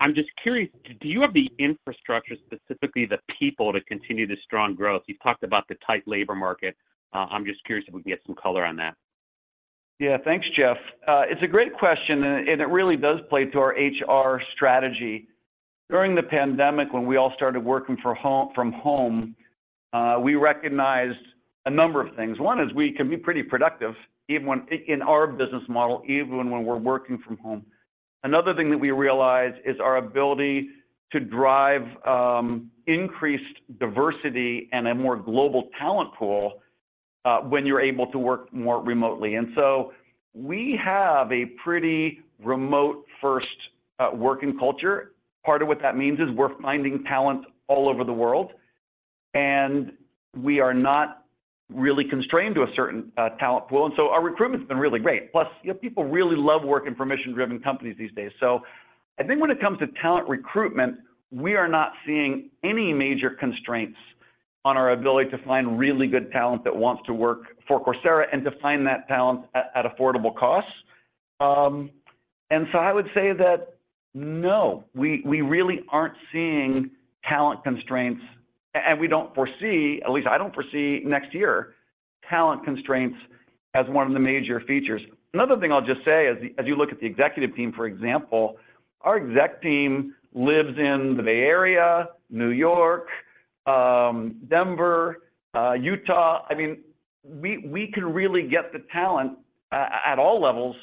Speaker 7: I'm just curious, do you have the infrastructure, specifically the people, to continue the strong growth? You've talked about the tight labor market. I'm just curious if we could get some color on that?
Speaker 3: Yeah. Thanks, Jeff. It's a great question, and it really does play to our HR strategy. During the pandemic, when we all started working from home, we recognized a number of things. One is, we can be pretty productive, even when we're working from home. Another thing that we realized is our ability to drive increased diversity and a more global talent pool, when you're able to work more remotely. And so we have a pretty remote first working culture. Part of what that means is, we're finding talent all over the world, and we are not really constrained to a certain talent pool, and so our recruitment's been really great. Plus, you know, people really love working for mission-driven companies these days. I think when it comes to talent recruitment, we are not seeing any major constraints on our ability to find really good talent that wants to work for Coursera and to find that talent at affordable costs. I would say that, no, we really aren't seeing talent constraints, and we don't foresee... at least I don't foresee next year, talent constraints as one of the major features. Another thing I'll just say as you look at the executive team, for example, our exec team lives in the Bay Area, New York, Denver, Utah. I mean, we can really get the talent at all levels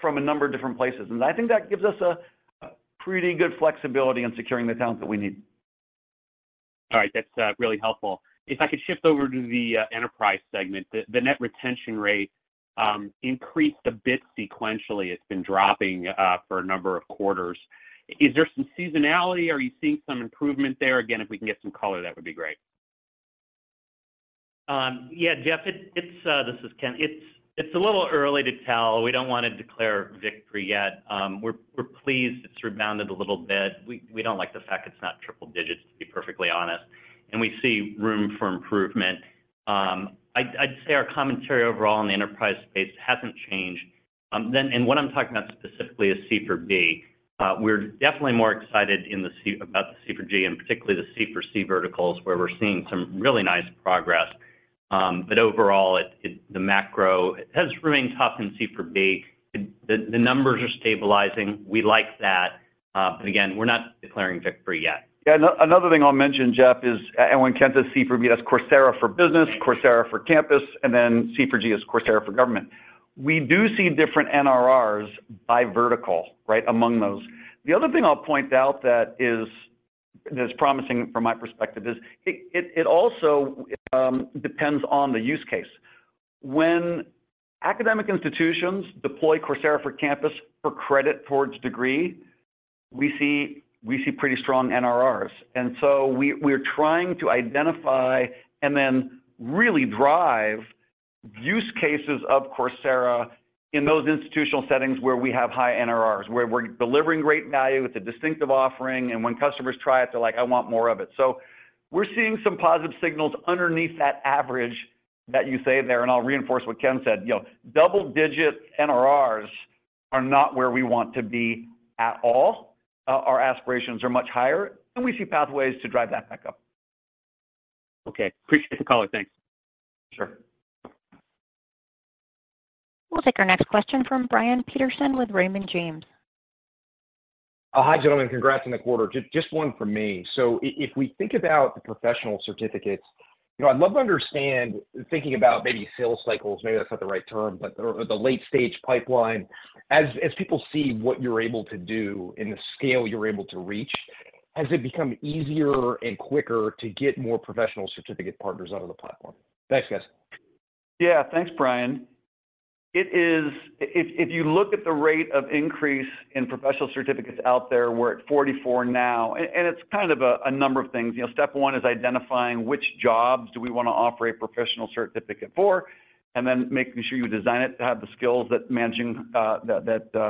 Speaker 3: from a number of different places. I think that gives us a pretty good flexibility in securing the talent that we need.
Speaker 7: All right. That's really helpful. If I could shift over to the enterprise segment. The net retention rate increased a bit sequentially. It's been dropping for a number of quarters. Is there some seasonality? Are you seeing some improvement there? Again, if we can get some color, that would be great.
Speaker 4: Yeah, Jeff, it, it's... This is Ken. It's a little early to tell. We don't wanna declare victory yet. We're pleased it's rebounded a little bit. We don't like the fact it's not triple digits, to be perfectly honest, and we see room for improvement. I'd say our commentary overall in the enterprise space hasn't changed. What I'm talking about specifically is C4B. We're definitely more excited about the C4G, and particularly the C4C verticals, where we're seeing some really nice progress. Overall, the macro has remained tough in C4B. The numbers are stabilizing. We like that. Again, we're not declaring victory yet.
Speaker 3: Yeah, another thing I'll mention, Jeff, is and when Ken says C4B, that's Coursera for Business, Coursera for Campus, and then C4G is Coursera for Government. We do see different NRRs by vertical, right, among those. The other thing I'll point out that is promising from my perspective is it also depends on the use case. When academic institutions deploy Coursera for Campus for credit towards degree, we see pretty strong NRRs. And so we're trying to identify and then really drive use cases of Coursera in those institutional settings where we have high NRRs, where we're delivering great value with a distinctive offering, and when customers try it, they're like, "I want more of it." So we're seeing some positive signals underneath that average that you say there, and I'll reinforce what Ken said. You know, double-digit NRRs are not where we want to be at all. Our aspirations are much higher, and we see pathways to drive that back up.
Speaker 7: Okay. Appreciate the call. Thanks.
Speaker 3: Sure.
Speaker 1: We'll take our next question from Brian Peterson with Raymond James.
Speaker 8: Oh, hi, gentlemen. Congrats on the quarter. Just one from me. So if we think about the professional certificates, you know, I'd love to understand, thinking about maybe sales cycles, maybe that's not the right term, but the late-stage pipeline. As people see what you're able to do and the scale you're able to reach, has it become easier and quicker to get more professional certificate partners onto the platform? Thanks, guys.
Speaker 3: Yeah. Thanks, Brian. It is if you look at the rate of increase in professional certificates out there, we're at 44 now, and it's kind of a number of things. You know, step one is identifying which jobs do we wanna offer a professional certificate for, and then making sure you design it to have the skills that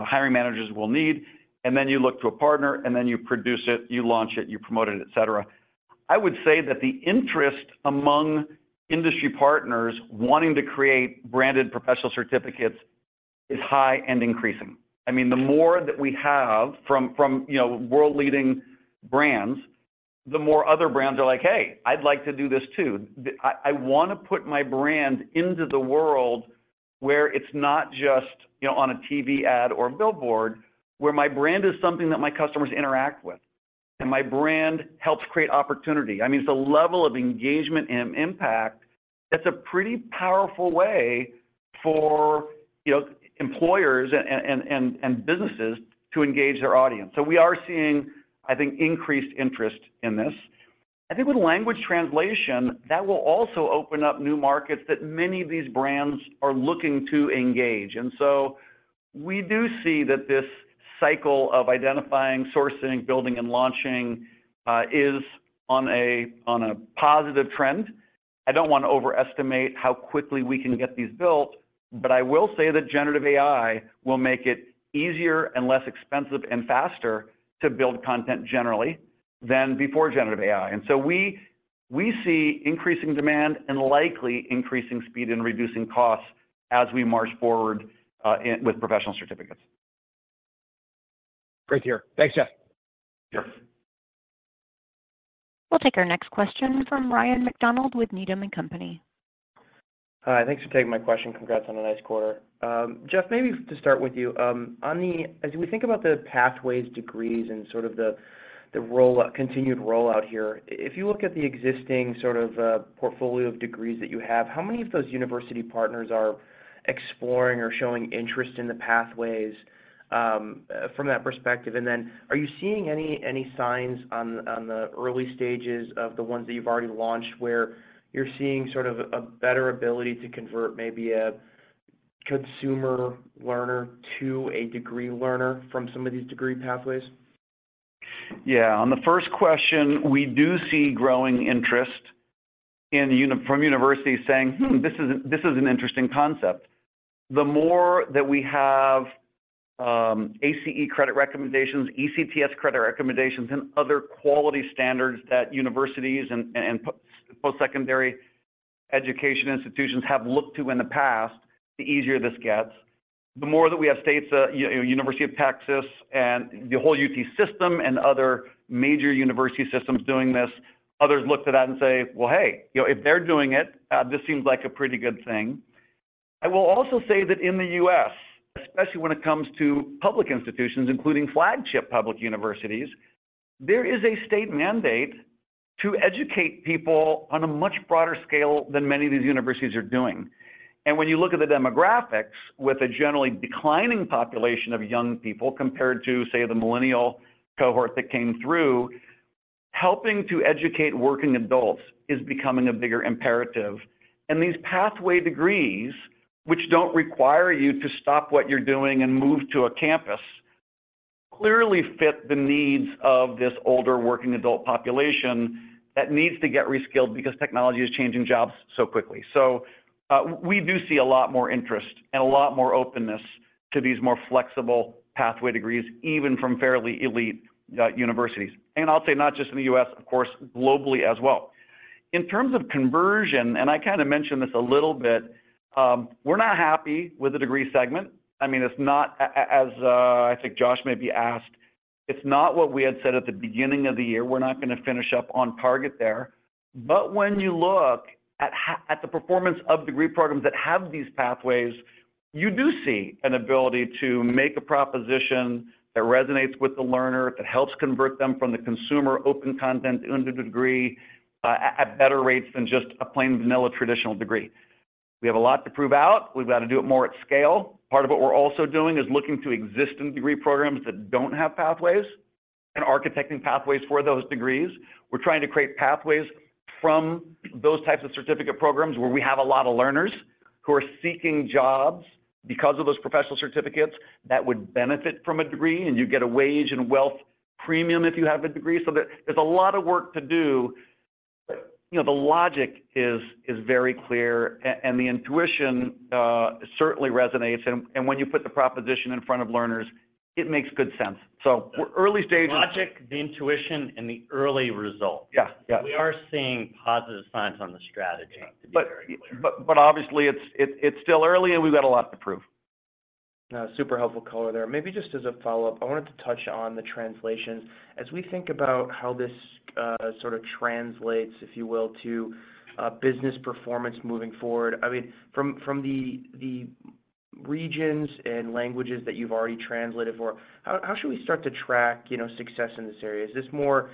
Speaker 3: hiring managers will need. And then you look to a partner, and then you produce it, you launch it, you promote it, et cetera. I would say that the interest among industry partners wanting to create branded professional certificates is high and increasing. I mean, the more that we have from, you know, world-leading brands, the more other brands are like, "Hey, I'd like to do this, too. I wanna put my brand into the world, where it's not just, you know, on a TV ad or a billboard, where my brand is something that my customers interact with, and my brand helps create opportunity." I mean, it's a level of engagement and impact that's a pretty powerful way for, you know, employers and businesses to engage their audience. So we are seeing, I think, increased interest in this. I think with language translation, that will also open up new markets that many of these brands are looking to engage. And so we do see that this cycle of identifying, sourcing, building, and launching is on a positive trend. I don't wanna overestimate how quickly we can get these built, but I will say that Generative AI will make it easier and less expensive, and faster to build content generally than before Generative AI. And so we, we see increasing demand and likely increasing speed and reducing costs as we march forward in with professional certificates.
Speaker 8: Great to hear. Thanks, Jeff.
Speaker 3: Sure.
Speaker 1: We'll take our next question from Ryan MacDonald with Needham & Company.
Speaker 9: Hi, thanks for taking my question. Congrats on a nice quarter. Jeff, maybe to start with you, on the... As we think about the pathways, degrees, and sort of the rollout, continued rollout here, if you look at the existing sort of portfolio of degrees that you have, how many of those university partners are exploring or showing interest in the pathways, from that perspective? And then, are you seeing any signs on the early stages of the ones that you've already launched, where you're seeing sort of a better ability to convert maybe a consumer learner to a degree learner from some of these degree pathways?
Speaker 3: Yeah. On the first question, we do see growing interest in from universities saying, "Hmm, this is, this is an interesting concept." The more that we have, ACE credit recommendations, ECTS credit recommendations, and other quality standards that universities and postsecondary education institutions have looked to in the past, the easier this gets. The more that we have states, you know, University of Texas and the whole UT System and other major university systems doing this, others look to that and say: "Well, hey, you know, if they're doing it, this seems like a pretty good thing." I will also say that in the U.S., especially when it comes to public institutions, including flagship public universities, there is a state mandate to educate people on a much broader scale than many of these universities are doing. And when you look at the demographics, with a generally declining population of young people compared to, say, the millennial cohort that came through, helping to educate working adults is becoming a bigger imperative. And these pathway degrees, which don't require you to stop what you're doing and move to a campus, clearly fit the needs of this older working adult population that needs to get reskilled because technology is changing jobs so quickly. So, we do see a lot more interest and a lot more openness to these more flexible pathway degrees, even from fairly elite universities. And I'll say not just in the U.S., of course, globally as well. In terms of conversion, and I kinda mentioned this a little bit, we're not happy with the degree segment. I mean, it's not as I think Josh maybe asked, it's not what we had said at the beginning of the year. We're not gonna finish up on target there. But when you look at the performance of degree programs that have these pathways, you do see an ability to make a proposition that resonates with the learner, that helps convert them from the consumer open content into degree at better rates than just a plain vanilla traditional degree. We have a lot to prove out. We've got to do it more at scale. Part of what we're also doing is looking to existing degree programs that don't have pathways and architecting pathways for those degrees. We're trying to create pathways from those types of certificate programs, where we have a lot of learners who are seeking jobs because of those professional certificates that would benefit from a degree, and you get a wage and wealth premium if you have a degree. So there, there's a lot of work to do, but, you know, the logic is, is very clear, and the intuition certainly resonates. And when you put the proposition in front of learners, it makes good sense. So we're early stages.
Speaker 4: Logic, the intuition, and the early results.
Speaker 3: Yeah. Yeah.
Speaker 4: We are seeing positive signs on the strategy.
Speaker 3: Yeah...
Speaker 4: To be very clear.
Speaker 3: But obviously, it's still early, and we've got a lot to prove.
Speaker 9: Super helpful color there. Maybe just as a follow-up, I wanted to touch on the translation. As we think about how this sort of translates, if you will, to business performance moving forward... I mean, from the regions and languages that you've already translated for, how should we start to track, you know, success in this area? Is this more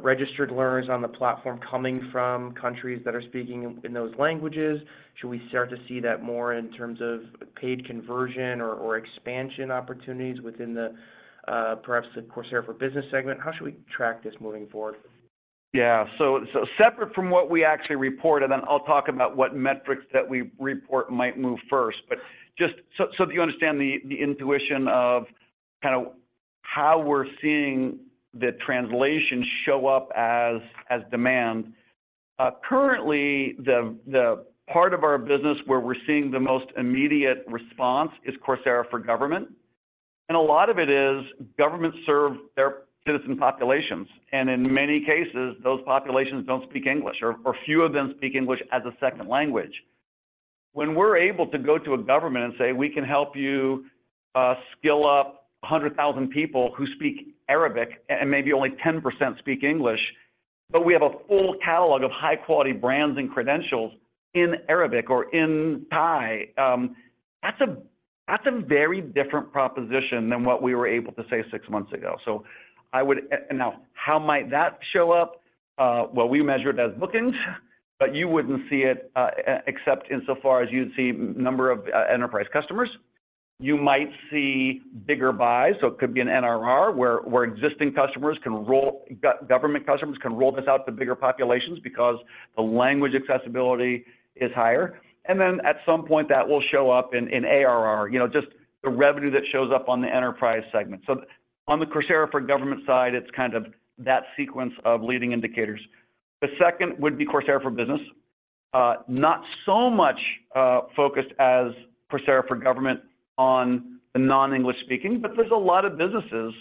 Speaker 9: registered learners on the platform coming from countries that are speaking in those languages? Should we start to see that more in terms of paid conversion or expansion opportunities within the, perhaps the Coursera for Business segment? How should we track this moving forward?
Speaker 3: Yeah. So separate from what we actually report, and then I'll talk about what metrics that we report might move first. But just so that you understand the intuition of kinda how we're seeing the translation show up as demand. Currently, the part of our business where we're seeing the most immediate response is Coursera for Government. And a lot of it is governments serve their citizen populations, and in many cases, those populations don't speak English, or few of them speak English as a second language. When we're able to go to a government and say, "We can help you, skill up 100,000 people who speak Arabic, and maybe only 10% speak English," but we have a full catalog of high-quality brands and credentials in Arabic or in Thai, that's a very different proposition than what we were able to say six months ago. So I would- And now, how might that show up? Well, we measure it as bookings, but you wouldn't see it, except insofar as you'd see number of, enterprise customers. You might see bigger buys, so it could be an NRR, where existing customers can roll, government customers can roll this out to bigger populations because the language accessibility is higher. And then, at some point, that will show up in ARR. You know, just the revenue that shows up on the enterprise segment. So on the Coursera for Government side, it's kind of that sequence of leading indicators. The second would be Coursera for Business. Not so much focused as Coursera for Government on the non-English speaking, but there's a lot of businesses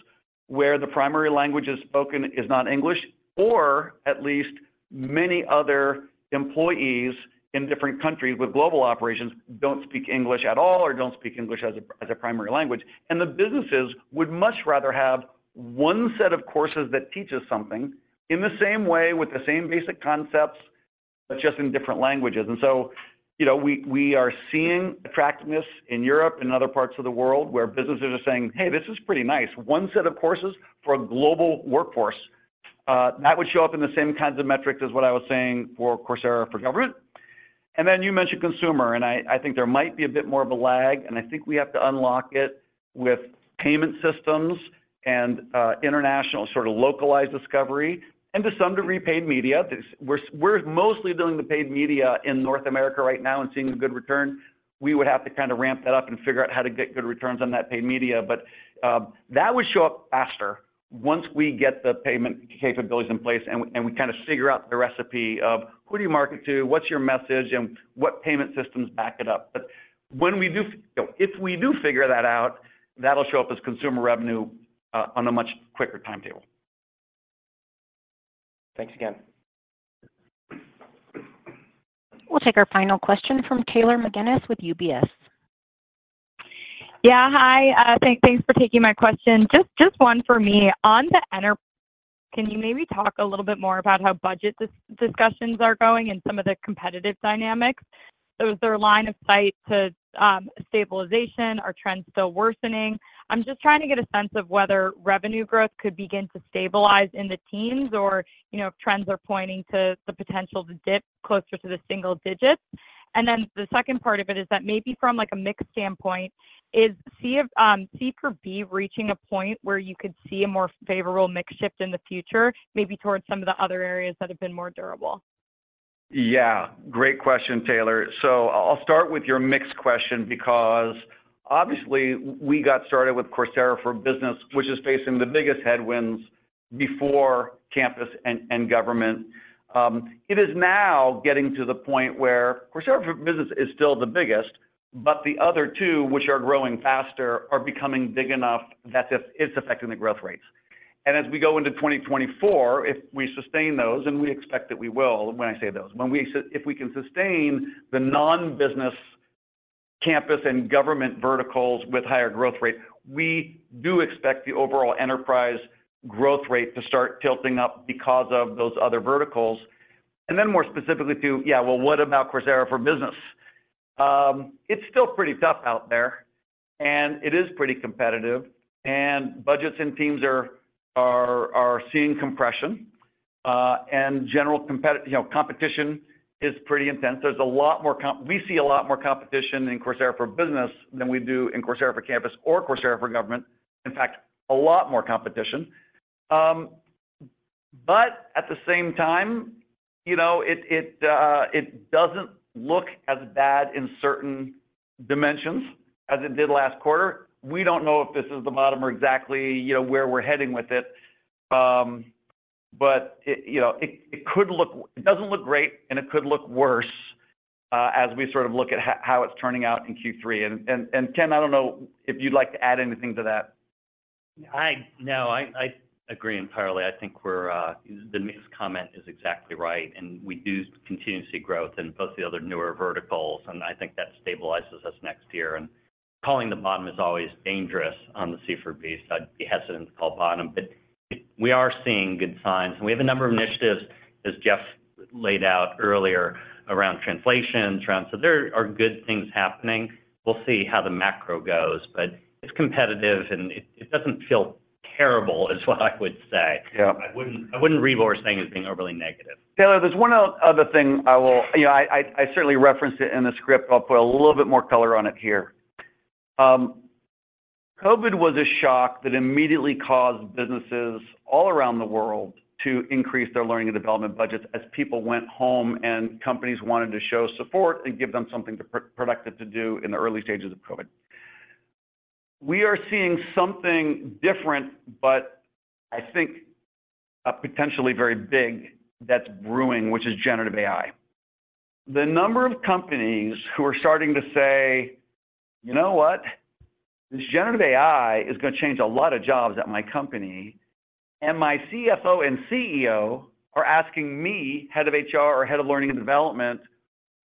Speaker 3: where the primary language is spoken is not English, or at least many other employees in different countries with global operations don't speak English at all, or don't speak English as a primary language. And the businesses would much rather have one set of courses that teaches something in the same way, with the same basic concepts, but just in different languages. And so, you know, we are seeing attractiveness in Europe and other parts of the world where businesses are saying, "Hey, this is pretty nice. One set of courses for a global workforce." That would show up in the same kinds of metrics as what I was saying for Coursera for Government. And then, you mentioned consumer, and I, I think there might be a bit more of a lag, and I think we have to unlock it with payment systems and international sort of localized discovery, and to some degree, paid media. We're, we're mostly doing the paid media in North America right now and seeing a good return. We would have to kind of ramp that up and figure out how to get good returns on that paid media. But that would show up faster once we get the payment capabilities in place, and we, and we kinda figure out the recipe of: who do you market to? What's your message? And what payment systems back it up? But when we do, if we do figure that out, that'll show up as consumer revenue, on a much quicker timetable.
Speaker 9: Thanks again.
Speaker 1: We'll take our final question from Taylor McGinnis with UBS.
Speaker 10: Yeah, hi. Thanks for taking my question. Just one for me. On the enter- can you maybe talk a little bit more about how budget discussions are going and some of the competitive dynamics? Is there a line of sight to, you know, stabilization? Are trends still worsening? I'm just trying to get a sense of whether revenue growth could begin to stabilize in the teens or, you know, if trends are pointing to the potential to dip closer to the single digits. The second part of it is that maybe from, like, a mix standpoint, is C, C4B reaching a point where you could see a more favorable mix shift in the future, maybe towards some of the other areas that have been more durable?
Speaker 3: Yeah. Great question, Taylor. I'll start with your mix question because, obviously, we got started with Coursera for Business, which is facing the biggest headwinds before Campus and Government. It is now getting to the point where Coursera for Business is still the biggest, but the other two, which are growing faster, are becoming big enough that it's affecting the growth rates. As we go into 2024, if we sustain those, and we expect that we will... When I say those, if we can sustain the non-business Campus and Government verticals with higher growth rate, we do expect the overall enterprise growth rate to start tilting up because of those other verticals. More specifically to, yeah, well, what about Coursera for Business? It's still pretty tough out there, and it is pretty competitive, and budgets and teams are seeing compression. You know, competition is pretty intense. There's a lot more competition—we see a lot more competition in Coursera for Business than we do in Coursera for Campus or Coursera for Government. In fact, a lot more competition. At the same time, you know, it doesn't look as bad in certain dimensions as it did last quarter. We don't know if this is the bottom or exactly, you know, where we're heading with it. You know, it could look—it doesn't look great, and it could look worse, as we sort of look at how it's turning out in Q3. Ken, I don't know if you'd like to add anything to that.
Speaker 4: No, I agree entirely. I think we're the mix comment is exactly right, and we do continue to see growth in both the other newer verticals, and I think that stabilizes us next year. And calling the bottom is always dangerous on the C4B, so I'd be hesitant to call bottom. But we are seeing good signs, and we have a number of initiatives, as Jeff laid out earlier, around translation, around. So there are good things happening. We'll see how the macro goes, but it's competitive, and it doesn't feel terrible, is what I would say.
Speaker 3: Yeah.
Speaker 4: I wouldn't reword saying it's being overly negative.
Speaker 3: Taylor, there's one other thing. Yeah, I certainly referenced it in the script, but I'll put a little bit more color on it here. COVID was a shock that immediately caused businesses all around the world to increase their learning and development budgets as people went home, and companies wanted to show support and give them something productive to do in the early stages of COVID. We are seeing something different, but I think a potentially very big that's brewing, which is Generative AI. The number of companies who are starting to say, "You know what? This Generative AI is gonna change a lot of jobs at my company, and my CFO and CEO are asking me, Head of HR or Head of Learning and Development,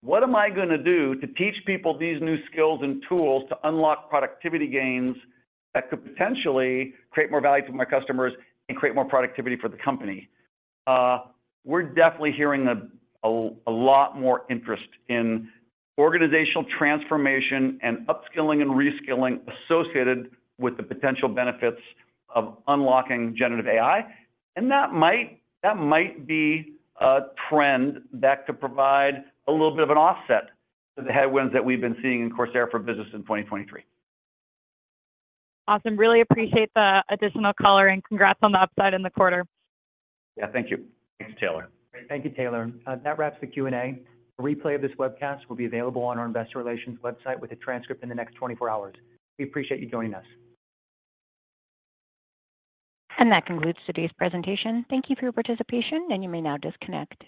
Speaker 3: "What am I gonna do to teach people these new skills and tools to unlock productivity gains that could potentially create more value for my customers and create more productivity for the company?" We're definitely hearing a lot more interest in organizational transformation and upskilling and reskilling associated with the potential benefits of unlocking Generative AI. And that might be a trend that could provide a little bit of an offset to the headwinds that we've been seeing in Coursera for Business in 2023.
Speaker 10: Awesome! Really appreciate the additional color, and congrats on the upside in the quarter.
Speaker 3: Yeah, thank you.
Speaker 4: Thanks, Taylor.
Speaker 2: Thank you, Taylor. That wraps the Q&A. A replay of this webcast will be available on our investor relations website with a transcript in the next 24-hours. We appreciate you joining us.
Speaker 1: That concludes today's presentation. Thank you for your participation, and you may now disconnect.